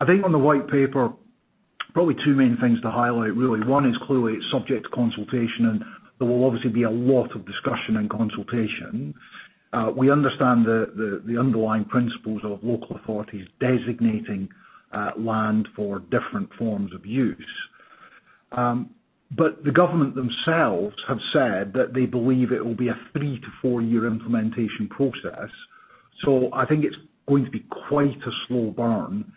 I think on the white paper, probably two main things to highlight, really. One is clearly it's subject to consultation, and there will obviously be a lot of discussion and consultation. We understand the underlying principles of local authorities designating land for different forms of use. The government themselves have said that they believe it will be a three to four-year implementation process. I think it's going to be quite a slow burn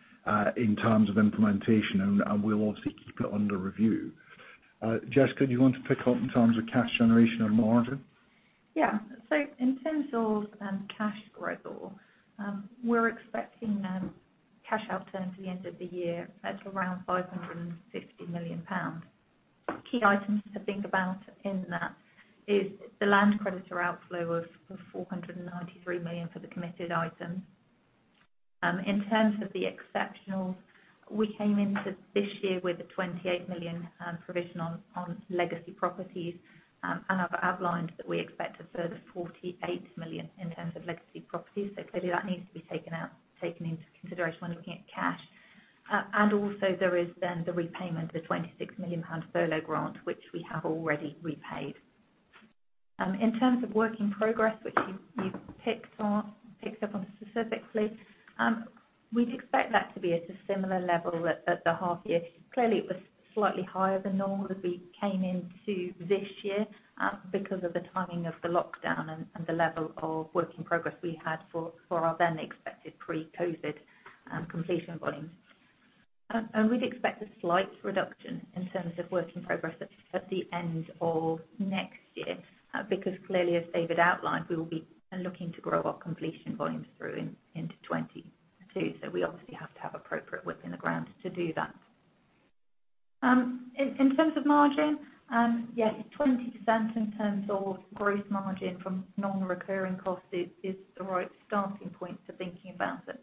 in terms of implementation, and we'll obviously keep it under review. Jessica, could you want to pick up in terms of cash generation and margin? In terms of cash, Gregor, we're expecting cash out-turn at the end of the year at around 550 million pounds. Key items to think about in that is the land creditor outflow of 493 million for the committed items. In terms of the exceptionals, we came into this year with a 28 million provision on legacy properties, and I've outlined that we expect a further 48 million in terms of legacy properties. Clearly that needs to be taken into consideration when looking at cash. There is the repayment of the 26 million pound furlough grant, which we have already repaid. In terms of work in progress, which you picked up on specifically, we'd expect that to be at a similar level at the half year. Clearly, it was slightly higher than normal as we came into this year because of the timing of the lockdown and the level of work in progress we had for our then expected pre-COVID-19 completion volumes. We'd expect a slight reduction in terms of work in progress at the end of next year, because clearly, as David outlined, we will be looking to grow our completion volumes through into 2022. We obviously have to have appropriate work in the ground to do that. In terms of margin, yeah, 20% in terms of gross margin from non-recurring costs is the right starting point to thinking about it.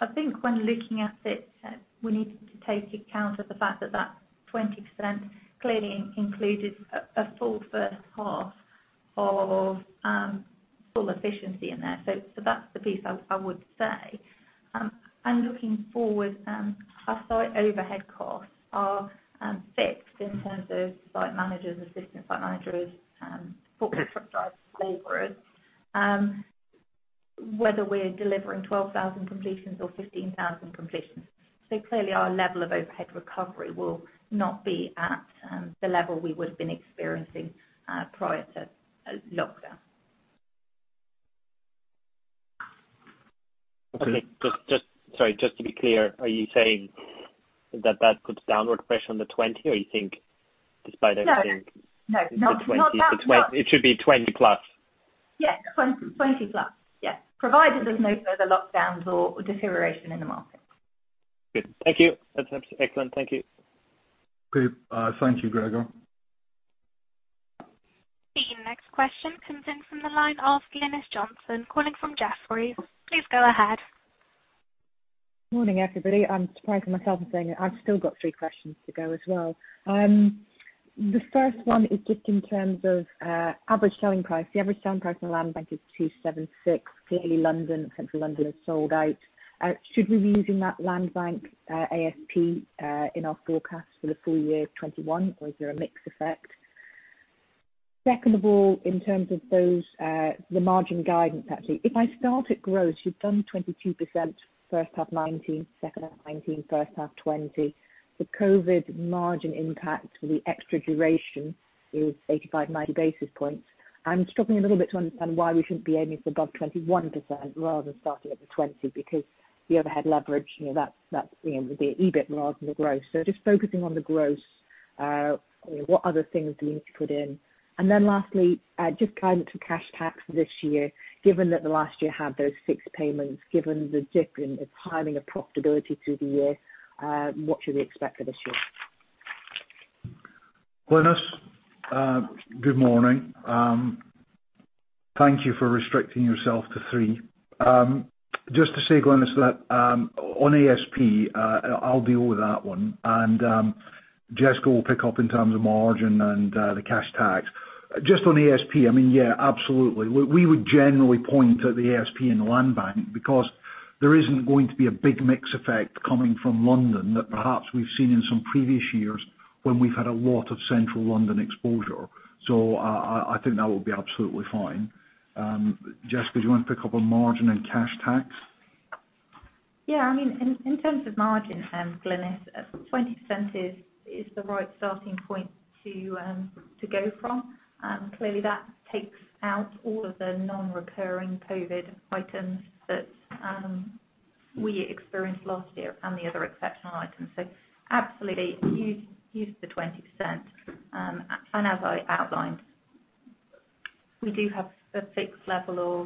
I think when looking at it, we need to take account of the fact that that 20% clearly included a full first half of full efficiency in there. That's the piece I would say. Looking forward, our site overhead costs are fixed in terms of site managers, assistant site managers, forepersons, [inaudible] whether we're delivering 12,000 completions or 15,000 completions. Clearly our level of overhead recovery will not be at the level we would have been experiencing prior to lockdown. Okay. Sorry, just to be clear, are you saying that that puts downward pressure on the 20% or you think despite everything? No. Not that much. It should be 20%+? Yeah, 20%+. Yeah. Provided there's no further lockdowns or deterioration in the market. Good. Thank you. That's excellent. Thank you. Great. Thank you, Gregor. The next question comes in from the line of Glynis Johnson calling from Jefferies. Please go ahead. Morning, everybody. I'm surprised at myself in saying that I've still got three questions to go as well. The first one is just in terms of average selling price. The average selling price on the land bank is 276,000. Clearly, London, Central London has sold out. Should we be using that land bank ASP in our forecast for the full year of FY 2021, or is there a mix effect? In terms of the margin guidance, actually. If I start at gross, you've done 22% first half FY 2019, second half FY 2019, first half FY 2020. The COVID margin impact for the extra duration is 85, 90 basis points. I'm struggling a little bit to understand why we shouldn't be aiming for above 21% rather than starting at the 20%, because the overhead leverage, that's the EBIT margin of gross. Just focusing on the gross, what other things do we need to put in? Lastly, just guidance for cash tax this year, given that the last year had those six payments, given the dip in the timing of profitability through the year, what should we expect for this year? Glynis, good morning. Thank you for restricting yourself to three. Just to say, Glynis, that on ASP, I'll deal with that one. And Jessica will pick up in terms of margin and the cash tax. Just on ASP, yeah, absolutely. We would generally point at the ASP in the land bank because there isn't going to be a big mix effect coming from London that perhaps we've seen in some previous years when we've had a lot of Central London exposure. I think that will be absolutely fine. Jessica, did you want to pick up on margin and cash tax? Yeah. In terms of margin, Glynis, 20% is the right starting point to go from. Clearly, that takes out all of the non-recurring COVID items that we experienced last year and the other exceptional items. Absolutely use the 20%. As I outlined, we do have a fixed level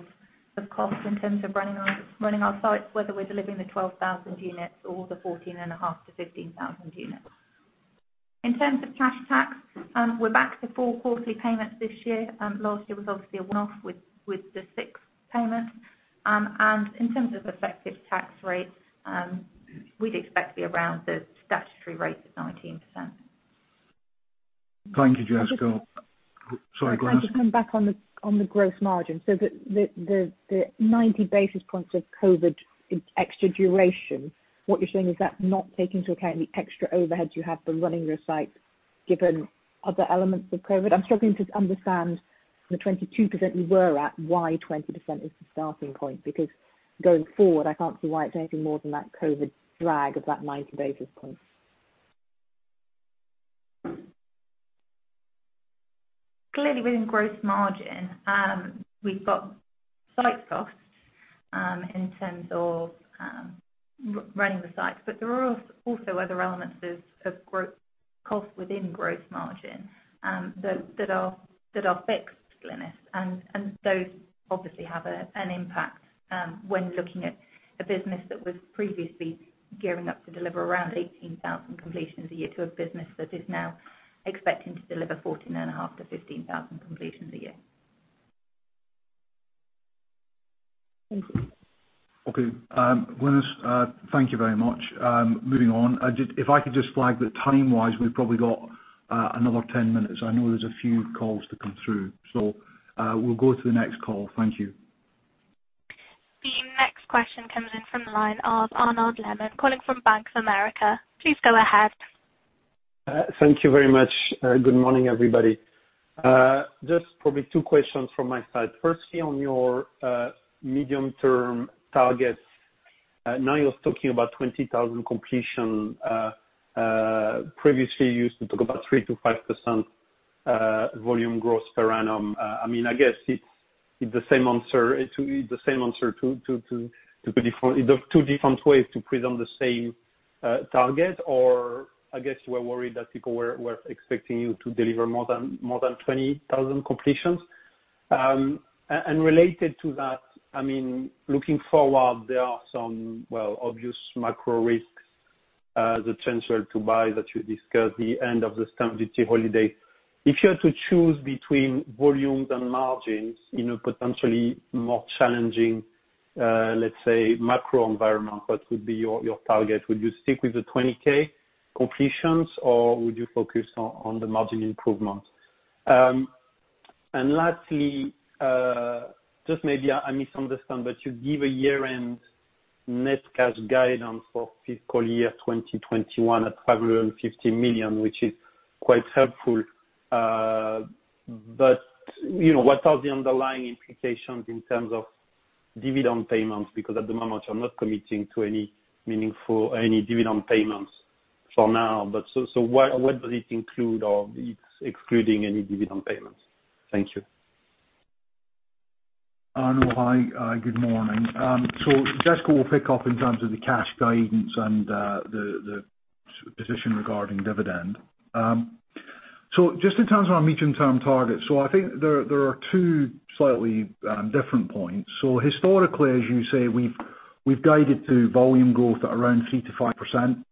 of costs in terms of running our sites, whether we're delivering the 12,000 units or the 14,500-15,000 units. In terms of cash tax, we're back to four quarterly payments this year. Last year was obviously a one-off with the six payments. In terms of effective tax rates, we'd expect to be around the statutory rate of 19%. Thank you, Jessica. Sorry, Glynis. To come back on the gross margin. The 90 basis points of COVID extra duration, what you're saying is that's not taking into account the extra overheads you have for running your sites given other elements of COVID? I'm struggling to understand from the 22% you were at why 20% is the starting point, going forward, I can't see why it's anything more than that COVID drag of that 90 basis points. Clearly within gross margin, we've got site costs in terms of running the sites, but there are also other elements of cost within gross margin that are fixed, Glynis, and those obviously have an impact when looking at a business that was previously gearing up to deliver around 18,000 completions a year to a business that is now expecting to deliver 14,500-15,000 completions a year. Thank you. Okay. Glynis, thank you very much. Moving on. If I could just flag that time-wise, we've probably got another 10 minutes. I know there's a few calls to come through. We'll go to the next call. Thank you. The next question comes in from the line of Arnaud Lehmann, calling from Bank of America. Please go ahead. Thank you very much. Good morning, everybody. Just probably two questions from my side. Firstly, on your medium-term targets. Now you're talking about 20,000 completion. Previously, you used to talk about 3%-5% volume growth per annum. I guess it's the same answer to two different ways to present the same target, or I guess you were worried that people were expecting you to deliver more than 20,000 completions? Related to that, looking forward, there are some obvious macro risks, the taper of Help to Buy that you discussed, the end of the stamp duty holiday. If you had to choose between volumes and margins in a potentially more challenging, let's say, macro environment, what would be your target? Would you stick with the 20,000 completions or would you focus on the margin improvement? Lastly, just maybe I misunderstand, you give a year-end net cash guidance for fiscal year 2021 at 550 million, which is quite helpful. What are the underlying implications in terms of dividend payments? Because at the moment, you're not committing to any meaningful dividend payments for now. What does it include, or it's excluding any dividend payments? Thank you. Arnaud, hi. Good morning. Jessica will pick up in terms of the cash guidance and the position regarding dividend. Just in terms of our medium-term target. I think there are two slightly different points. Historically, as you say, we've guided to volume growth at around 3%-5%.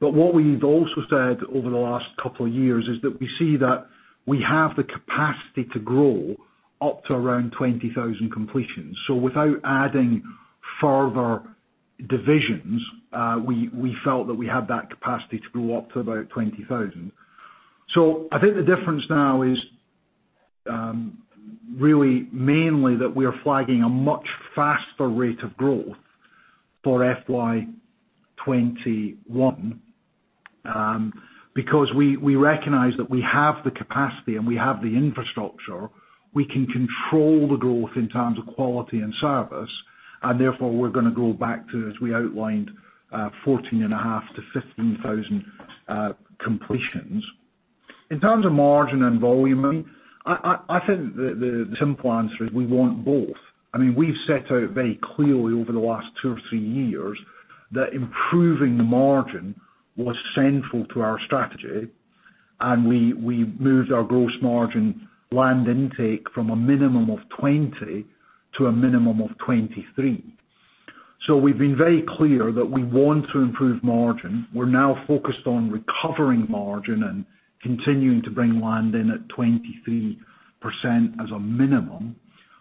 What we've also said over the last couple of years is that we see that we have the capacity to grow up to around 20,000 completions. Without adding further divisions, we felt that we had that capacity to grow up to about 20,000. I think the difference now is really mainly that we are flagging a much faster rate of growth for FY 2021. We recognize that we have the capacity and we have the infrastructure, we can control the growth in terms of quality and service, and therefore, we're going to grow back to, as we outlined, 14,500-15,000 completions. In terms of margin and volume, I think the simple answer is we want both. We've set out very clearly over the last two or three years that improving the margin was central to our strategy, and we moved our gross margin land intake from a minimum of 20% to a minimum of 23%. We've been very clear that we want to improve margin. We're now focused on recovering margin and continuing to bring land in at 23% as a minimum.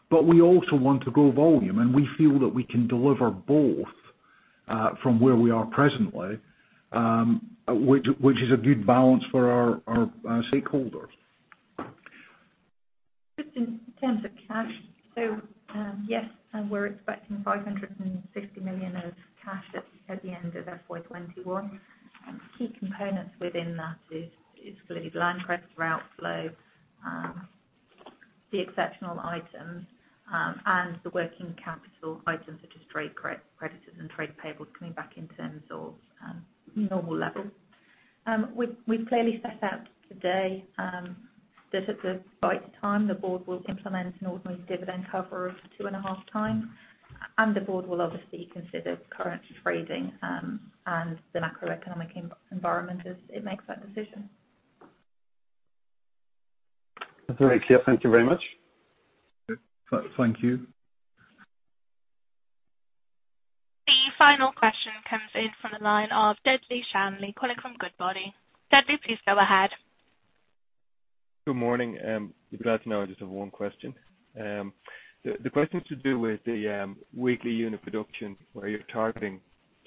We also want to grow volume, and we feel that we can deliver both from where we are presently, which is a good balance for our stakeholders. Just in terms of cash. Yes, we're expecting 550 million of cash at the end of FY 2021. Key components within that is clearly land credit outflow, the exceptional items, and the working capital items such as trade creditors and trade payables coming back in terms of normal levels. We've clearly set out today that at the right time, the Board will implement an ordinary dividend cover of 2.5x, and the Board will obviously consider current trading and the macroeconomic environment as it makes that decision. That's very clear. Thank you very much. Thank you. The final question comes in from the line of Dudley Shanley calling from Goodbody. Dudley, please go ahead. Good morning. You'll be glad to know I just have one question. The question is to do with the weekly unit production where you're targeting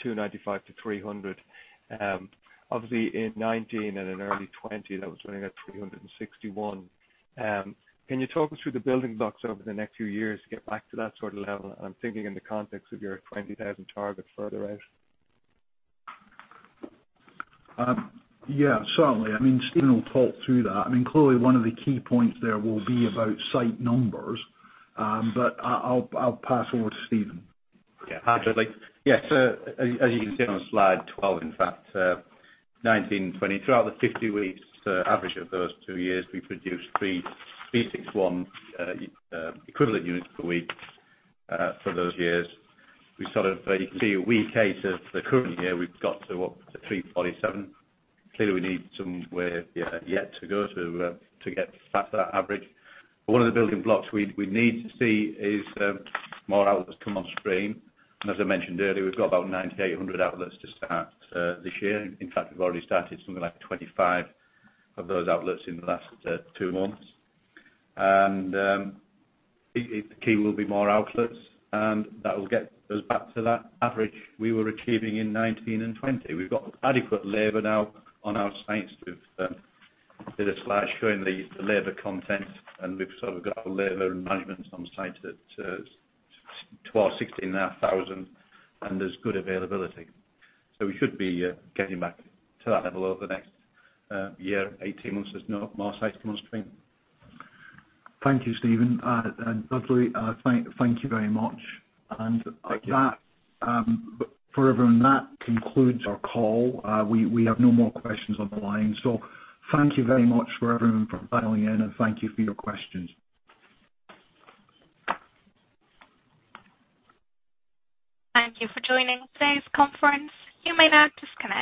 295-300. Obviously, in 2019 and in early 2020, that was running at 361. Can you talk us through the building blocks over the next few years to get back to that sort of level? I'm thinking in the context of your 20,000 target further out. Yeah, certainly. Steven will talk through that. Clearly, one of the key points there will be about site numbers. I'll pass over to Steven. Yeah. Hi, Dudley. Yes. As you can see on slide 12, in fact, 2019/2020, throughout the 50 weeks average of those two years, we produced 361 equivalent units per week for those years. You can see at week eight of the current year. We've got to what? To 347. Clearly, we need some way yet to go to get back to that average. One of the building blocks we need to see is more outlets come on stream. As I mentioned earlier, we've got about 98, 100 outlets to start this year. In fact, we've already started something like 25 of those outlets in the last two months. The key will be more outlets, and that will get us back to that average we were achieving in 2019 and 2020. We've got adequate labor now on our sites. We've did a slide showing the labor content, and we've got our labor and management on site at 16,000 now, and there's good availability. We should be getting back to that level over the next year, 18 months as more sites come on stream. Thank you, Steven. Dudley, thank you very much. Thank you. For everyone, that concludes our call. We have no more questions on the line. Thank you very much for everyone for dialing in, and thank you for your questions. Thank you for joining today's conference. You may now disconnect.